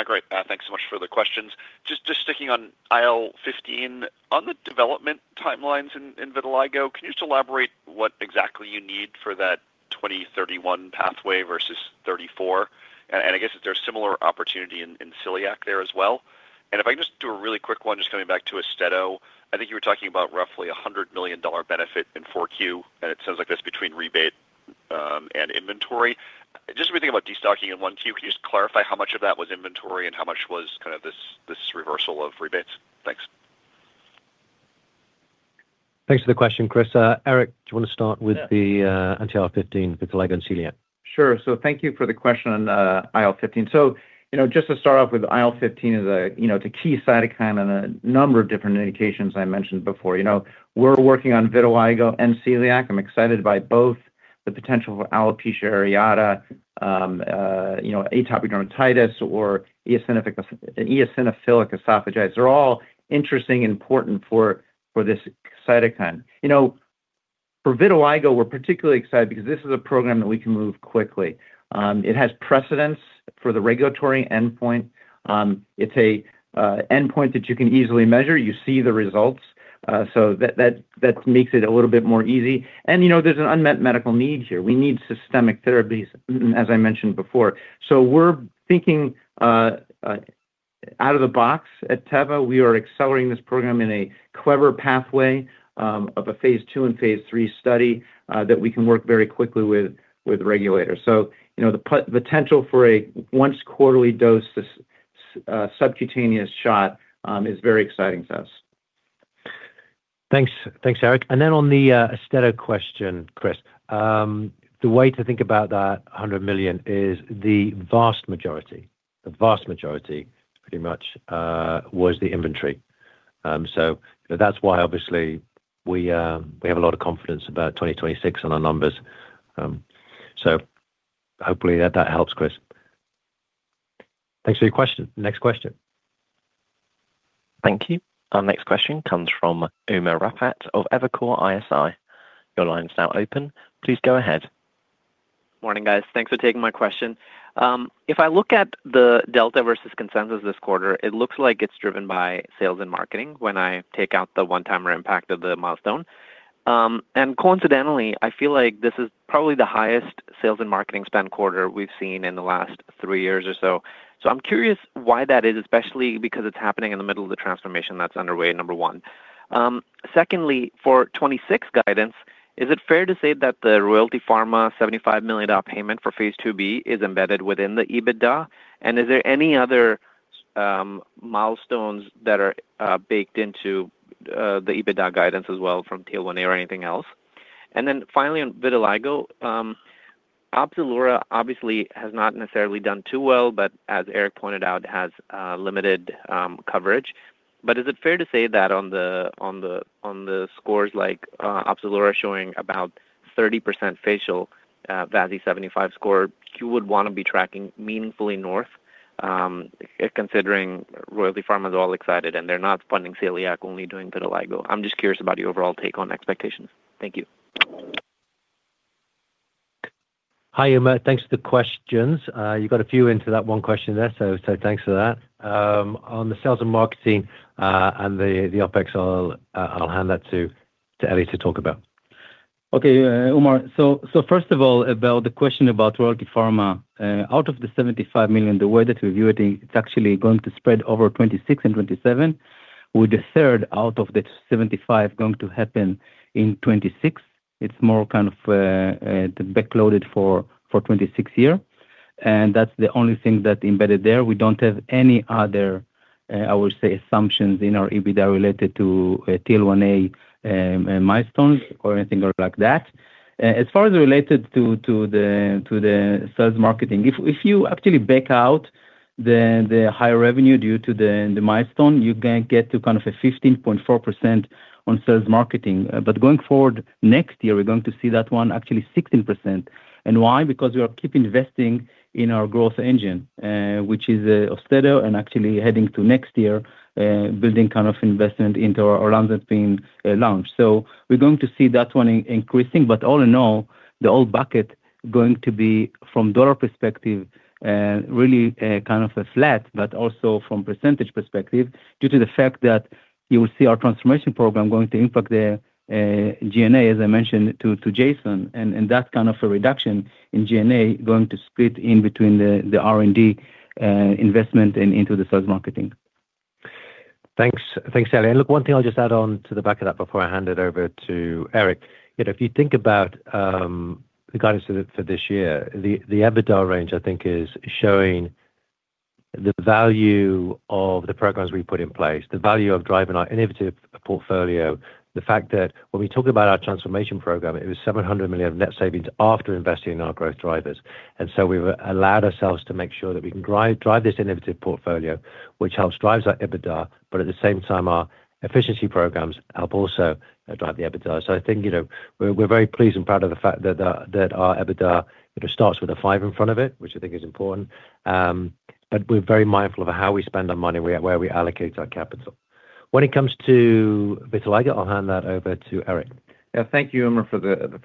Great. Thanks so much for the questions. Just, just sticking on IL-15, on the development timelines in, in vitiligo, can you just elaborate what exactly you need for that 2031 pathway versus 2034? And, and I guess if there's similar opportunity in, in celiac there as well. If I can just do a really quick one, just coming back to AUSTEDO. I think you were talking about roughly a $100 million benefit in 4Q, and it sounds like that's between rebate, and inventory. Just when we think about destocking in 1Q, can you just clarify how much of that was inventory and how much was kind of this, this reversal of rebates? Thanks.... Thanks for the question, Chris. Eric, do you want to start with the anti-IL-15 vitiligo and celiac? Sure. So thank you for the question on IL-15. So, you know, just to start off with IL-15 is a, you know, it's a key cytokine on a number of different indications I mentioned before. You know, we're working on vitiligo and celiac. I'm excited by both the potential for alopecia areata, you know, atopic dermatitis or eosinophilic esophagitis. They're all interesting and important for this cytokine. You know, for vitiligo, we're particularly excited because this is a program that we can move quickly. It has precedence for the regulatory endpoint. It's a endpoint that you can easily measure. You see the results, so that makes it a little bit more easy. You know, there's an unmet medical need here. We need systemic therapies, as I mentioned before. So we're thinking out of the box at Teva. We are accelerating this program in a clever pathway of a phase II and phase III study that we can work very quickly with, with regulators. So, you know, the potential for a once quarterly dose, this subcutaneous shot, is very exciting to us. Thanks. Thanks, Eric. And then on the asset question, Chris, the way to think about that $100 million is the vast majority, the vast majority, pretty much, was the inventory. So that's why obviously we, we have a lot of confidence about 2026 on our numbers. So hopefully that helps, Chris. Thanks for your question. Next question. Thank you. Our next question comes from Umer Raffat of Evercore ISI. Your line is now open. Please go ahead. Morning, guys. Thanks for taking my question. If I look at the delta versus consensus this quarter, it looks like it's driven by sales and marketing when I take out the one-timer impact of the milestone. And coincidentally, I feel like this is probably the highest sales and marketing spend quarter we've seen in the last three years or so. So I'm curious why that is, especially because it's happening in the middle of the transformation that's underway, number one. Secondly, for 2026 guidance, is it fair to say that the Royalty Pharma $75 million payment for phase II-B is embedded within the EBITDA? And is there any other milestones that are baked into the EBITDA guidance as well from TL1A or anything else? And then finally, on vitiligo, OPZELURA obviously has not necessarily done too well, but as Eric pointed out, has limited coverage. But is it fair to say that on the scores, like, OPZELURA showing about 30% facial VASI 75 score, you would want to be tracking meaningfully north, considering Royalty Pharma is all excited and they're not funding celiac, only doing vitiligo. I'm just curious about your overall take on expectations. Thank you. Hi, Umer. Thanks for the questions. You got a few into that one question there, so thanks for that. On the sales and marketing, and the OpEx, I'll hand that to Eli to talk about. Okay, Umer. So, so first of all, about the question about Royalty Pharma, out of the $75 million, the way that we view it, it's actually going to spread over 2026 and 2027, with the third out of the $75 million going to happen in 2026. It's more kind of backloaded for 2026 year, and that's the only thing that embedded there. We don't have any other, I would say, assumptions in our EBITDA related to TL1A, milestones or anything like that. As far as related to the sales marketing, if you actually back out the higher revenue due to the milestone, you can get to kind of a 15.4% on sales marketing. But going forward, next year, we're going to see that one actually 16%. And why? Because we are keep investing in our growth engine, which is, AUSTEDO and actually heading to next year, building kind of investment into our Olanzapine, launch. So we're going to see that one increasing, but all in all, the OpEx bucket going to be, from dollar perspective, really, kind of a flat, but also from percentage perspective, due to the fact that you will see our transformation program going to impact the, G&A, as I mentioned to, to Jason, and, and that's kind of a reduction in G&A, going to split in between the, the R&D, investment and into the sales marketing. Thanks. Thanks, Eli. And look, one thing I'll just add on to the back of that before I hand it over to Eric. You know, if you think about the guidance for this year, the EBITDA range, I think, is showing the value of the programs we've put in place, the value of driving our innovative portfolio, the fact that when we talk about our transformation program, it was $700 million of net savings after investing in our growth drivers. And so we've allowed ourselves to make sure that we can drive this innovative portfolio, which helps drive our EBITDA, but at the same time, our efficiency programs help also drive the EBITDA. So I think, you know, we're, we're very pleased and proud of the fact that that our EBITDA, it starts with a five in front of it, which I think is important. But we're very mindful of how we spend our money, where, where we allocate our capital. When it comes to vitiligo, I'll hand that over to Eric. Yeah. Thank you, Umer, for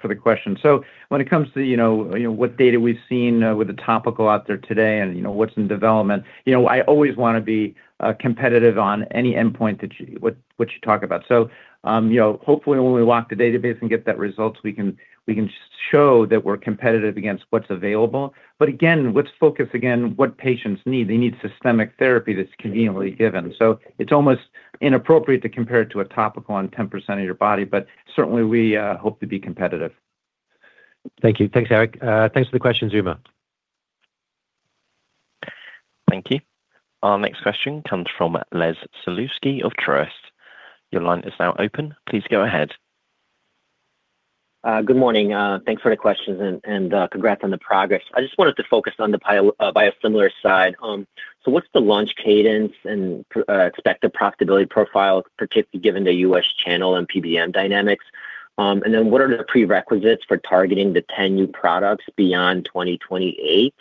the question. So when it comes to, you know, you know what data we've seen with the topical out there today and, you know, what's in development, you know, I always wanna be competitive on any endpoint that you—what you talk about. So, hopefully, when we walk the database and get that results, we can, we can show that we're competitive against what's available. But again, let's focus again, what patients need. They need systemic therapy that's conveniently given. So it's almost inappropriate to compare it to a topical on 10% of your body, but certainly, we hope to be competitive. Thank you. Thanks, Eric. Thanks for the questions, Umer.... Thank you. Our next question comes from Les Sulewski of Truist Securities. Your line is now open. Please go ahead. Good morning. Thanks for the questions and, and, congrats on the progress. I just wanted to focus on the biosimilar side. So what's the launch cadence and expected profitability profile, particularly given the U.S. channel and PBM dynamics? And then what are the prerequisites for targeting the 10 new products beyond 2028?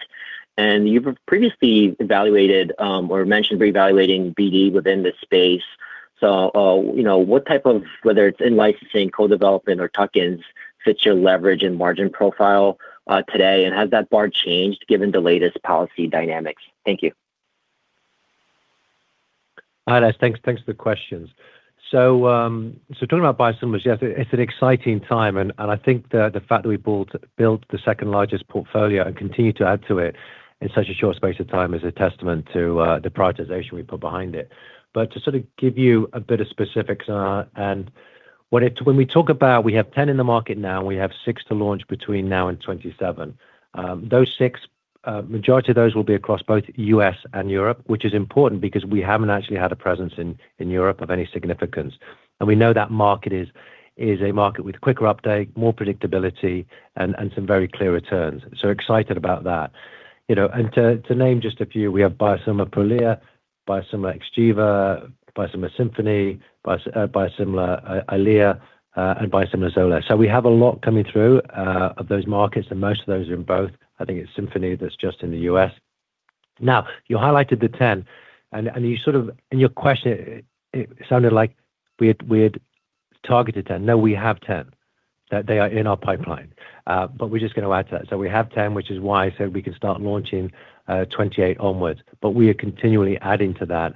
And you've previously evaluated, or mentioned reevaluating BD within the space. So, you know, what type of whether it's in-licensing, co-development, or tuck-ins fits your leverage and margin profile, today, and has that bar changed given the latest policy dynamics? Thank you. Hi, Les. Thanks, thanks for the questions. So, so talking about biosimilars, yes, it's an exciting time, and I think the fact that we built the second-largest portfolio and continue to add to it in such a short space of time is a testament to the prioritization we put behind it. But to sort of give you a bit of specifics, and when we talk about we have 10 in the market now, and we have six to launch between now and 2027. Those six, majority of those will be across both U.S. and Europe, which is important because we haven't actually had a presence in Europe of any significance. And we know that market is a market with quicker uptake, more predictability, and some very clear returns. So excited about that. You know, and to name just a few, we have biosimilar Prolia, biosimilar Xgeva, biosimilar Simponi, biosimilar, and biosimilar Xolair. So we have a lot coming through of those markets, and most of those are in both. I think it's Simponi that's just in the US. Now, you highlighted the 10, and you sort of... In your question, it sounded like we had targeted 10. No, we have 10. That they are in our pipeline. But we're just gonna add to that. So we have 10, which is why I said we can start launching 2028 onwards, but we are continually adding to that.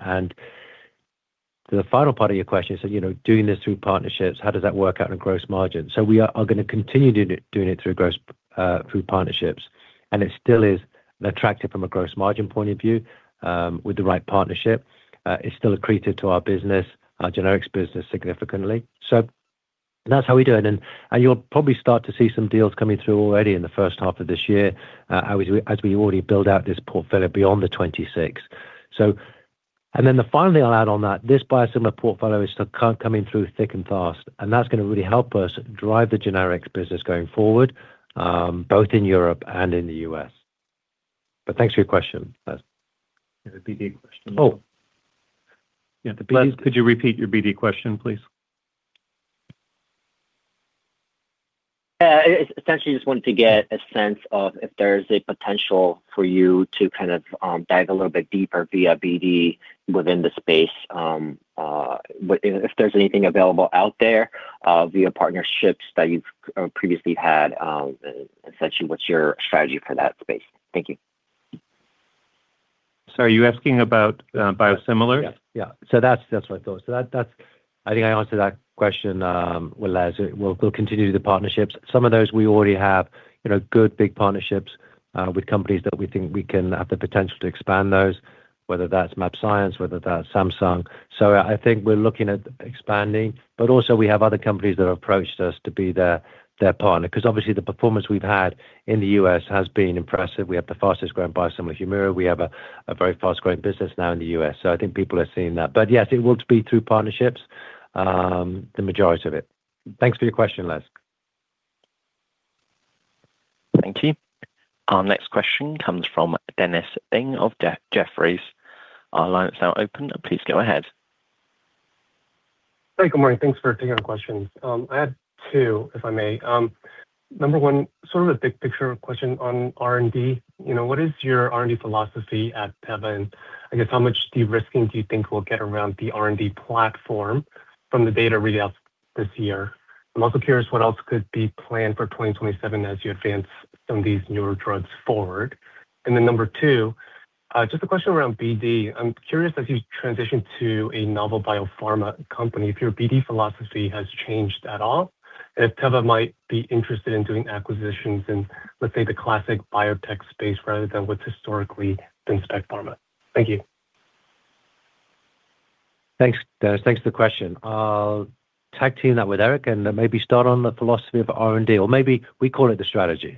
And to the final part of your question, you know, doing this through partnerships, how does that work out in gross margin? So we are gonna continue doing it through gross, through partnerships, and it still is attractive from a gross margin point of view, with the right partnership. It's still accretive to our business, our generics business, significantly. So that's how we do it, and you'll probably start to see some deals coming through already in the first half of this year, as we already build out this portfolio beyond the 26. So... And then finally, I'll add on that, this biosimilar portfolio is still coming through thick and fast, and that's gonna really help us drive the generics business going forward, both in Europe and in the U.S. But thanks for your question, Les. You have a BD question? Oh. Yeah. Could you repeat your BD question, please? Essentially, just wanted to get a sense of if there's a potential for you to kind of dive a little bit deeper via BD within the space. If there's anything available out there via partnerships that you've previously had, essentially, what's your strategy for that space? Thank you. Are you asking about biosimilars? Yeah. So that's what I thought. So that's—I think I answered that question, well, as we'll continue the partnerships. Some of those we already have, you know, good, big partnerships with companies that we think we can have the potential to expand those, whether that's mAbxience, whether that's Samsung. So I think we're looking at expanding, but also we have other companies that have approached us to be their partner, because obviously, the performance we've had in the US has been impressive. We have the fastest-growing biosimilar Humira. We have a very fast-growing business now in the US, so I think people are seeing that. But yes, it will be through partnerships, the majority of it. Thanks for your question, Les. Thank you. Our next question comes from Dennis Ding of Jefferies. Our line is now open. Please go ahead. Hey, good morning. Thanks for taking our questions. I had two, if I may. Number one, sort of a big picture question on R&D. You know, what is your R&D philosophy at Teva? I guess, how much de-risking do you think we'll get around the R&D platform from the data read out this year? I'm also curious, what else could be planned for 2027 as you advance some of these newer drugs forward. And then number two, just a question around BD. I'm curious, as you transition to a Novel biopharma company, if your BD philosophy has changed at all, and if Teva might be interested in doing acquisitions in, let's say, the classic biotech space rather than what's historically been spec pharma. Thank you. Thanks, Dennis. Thanks for the question. I'll tag team that with Eric, and maybe start on the philosophy of R&D, or maybe we call it the strategy.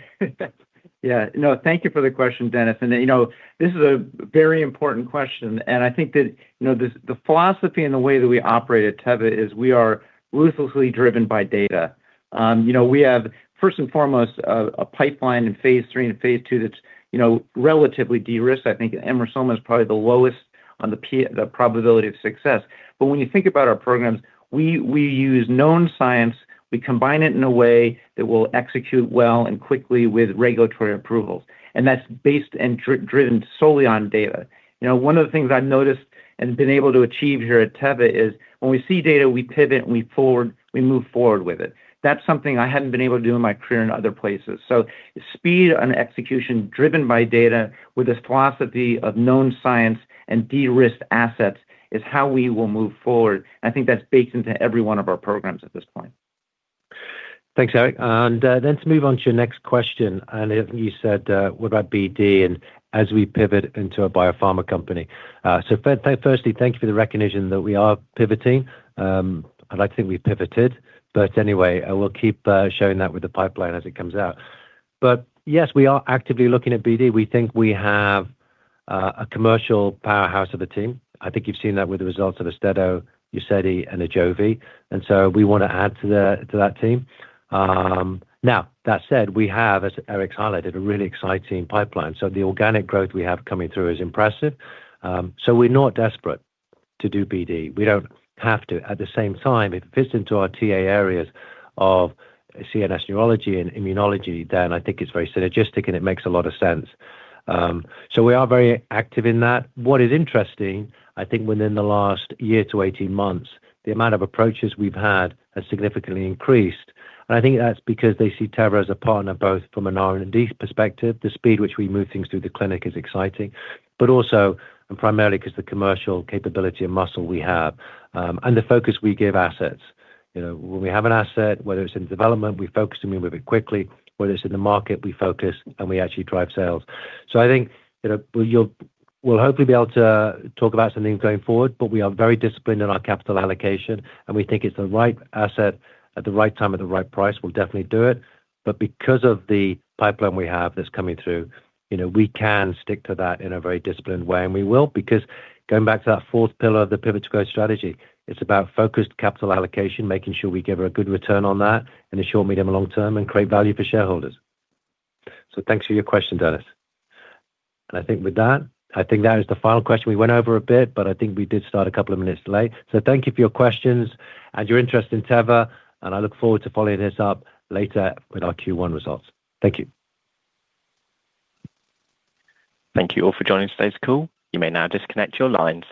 Yeah. No, thank you for the question, Dennis. And, you know, this is a very important question, and I think that, you know, the philosophy and the way that we operate at Teva is we are ruthlessly driven by data. You know, we have, first and foremost, a pipeline in phase III and phase II that's, you know, relatively de-risked. I think Emrusolmin is probably the lowest on the probability of success. But when you think about our programs, we, we use known science. We combine it in a way that will execute well and quickly with regulatory approvals, and that's based and driven solely on data. You know, one of the things I've noticed and been able to achieve here at Teva is when we see data, we pivot, and we forward, we move forward with it. That's something I hadn't been able to do in my career in other places. So speed and execution driven by data with this philosophy of known science and de-risked assets is how we will move forward. I think that's baked into every one of our programs at this point. Thanks, Eric. And, let's move on to your next question. And I think you said, what about BD? And as we pivot into a biopharma company. Firstly, thank you for the recognition that we are pivoting. I'd like to think we've pivoted, but anyway, I will keep, showing that with the pipeline as it comes out. But yes, we are actively looking at BD. We think we have a commercial powerhouse of a team. I think you've seen that with the results of AUSTEDO, UZEDY, and AJOVY, and so we wanna add to that team. Now, that said, we have, as Eric highlighted, a really exciting pipeline, so the organic growth we have coming through is impressive. We're not desperate to do BD. We don't have to. At the same time, it fits into our TA areas of CNS neurology and immunology, then I think it's very synergistic, and it makes a lot of sense. So we are very active in that. What is interesting, I think within the last year to 18 months, the amount of approaches we've had has significantly increased. And I think that's because they see Teva as a partner, both from an R&D perspective, the speed which we move things through the clinic is exciting, but also and primarily 'cause the commercial capability and muscle we have, and the focus we give assets. You know, when we have an asset, whether it's in development, we focus and we move it quickly. Whether it's in the market, we focus, and we actually drive sales. So I think, you know, we'll hopefully be able to talk about some things going forward, but we are very disciplined in our capital allocation, and we think it's the right asset at the right time, at the right price, we'll definitely do it. But because of the pipeline we have that's coming through, you know, we can stick to that in a very disciplined way, and we will, because going back to that fourth pillar of the Pivot to Growth strategy, it's about focused capital allocation, making sure we give a good return on that in the short, medium, and long term, and create value for shareholders. So thanks for your question, Dennis. And I think with that, I think that is the final question. We went over a bit, but I think we did start a couple of minutes late. Thank you for your questions and your interest in Teva, and I look forward to following this up later with our Q1 results. Thank you. Thank you all for joining today's call. You may now disconnect your lines.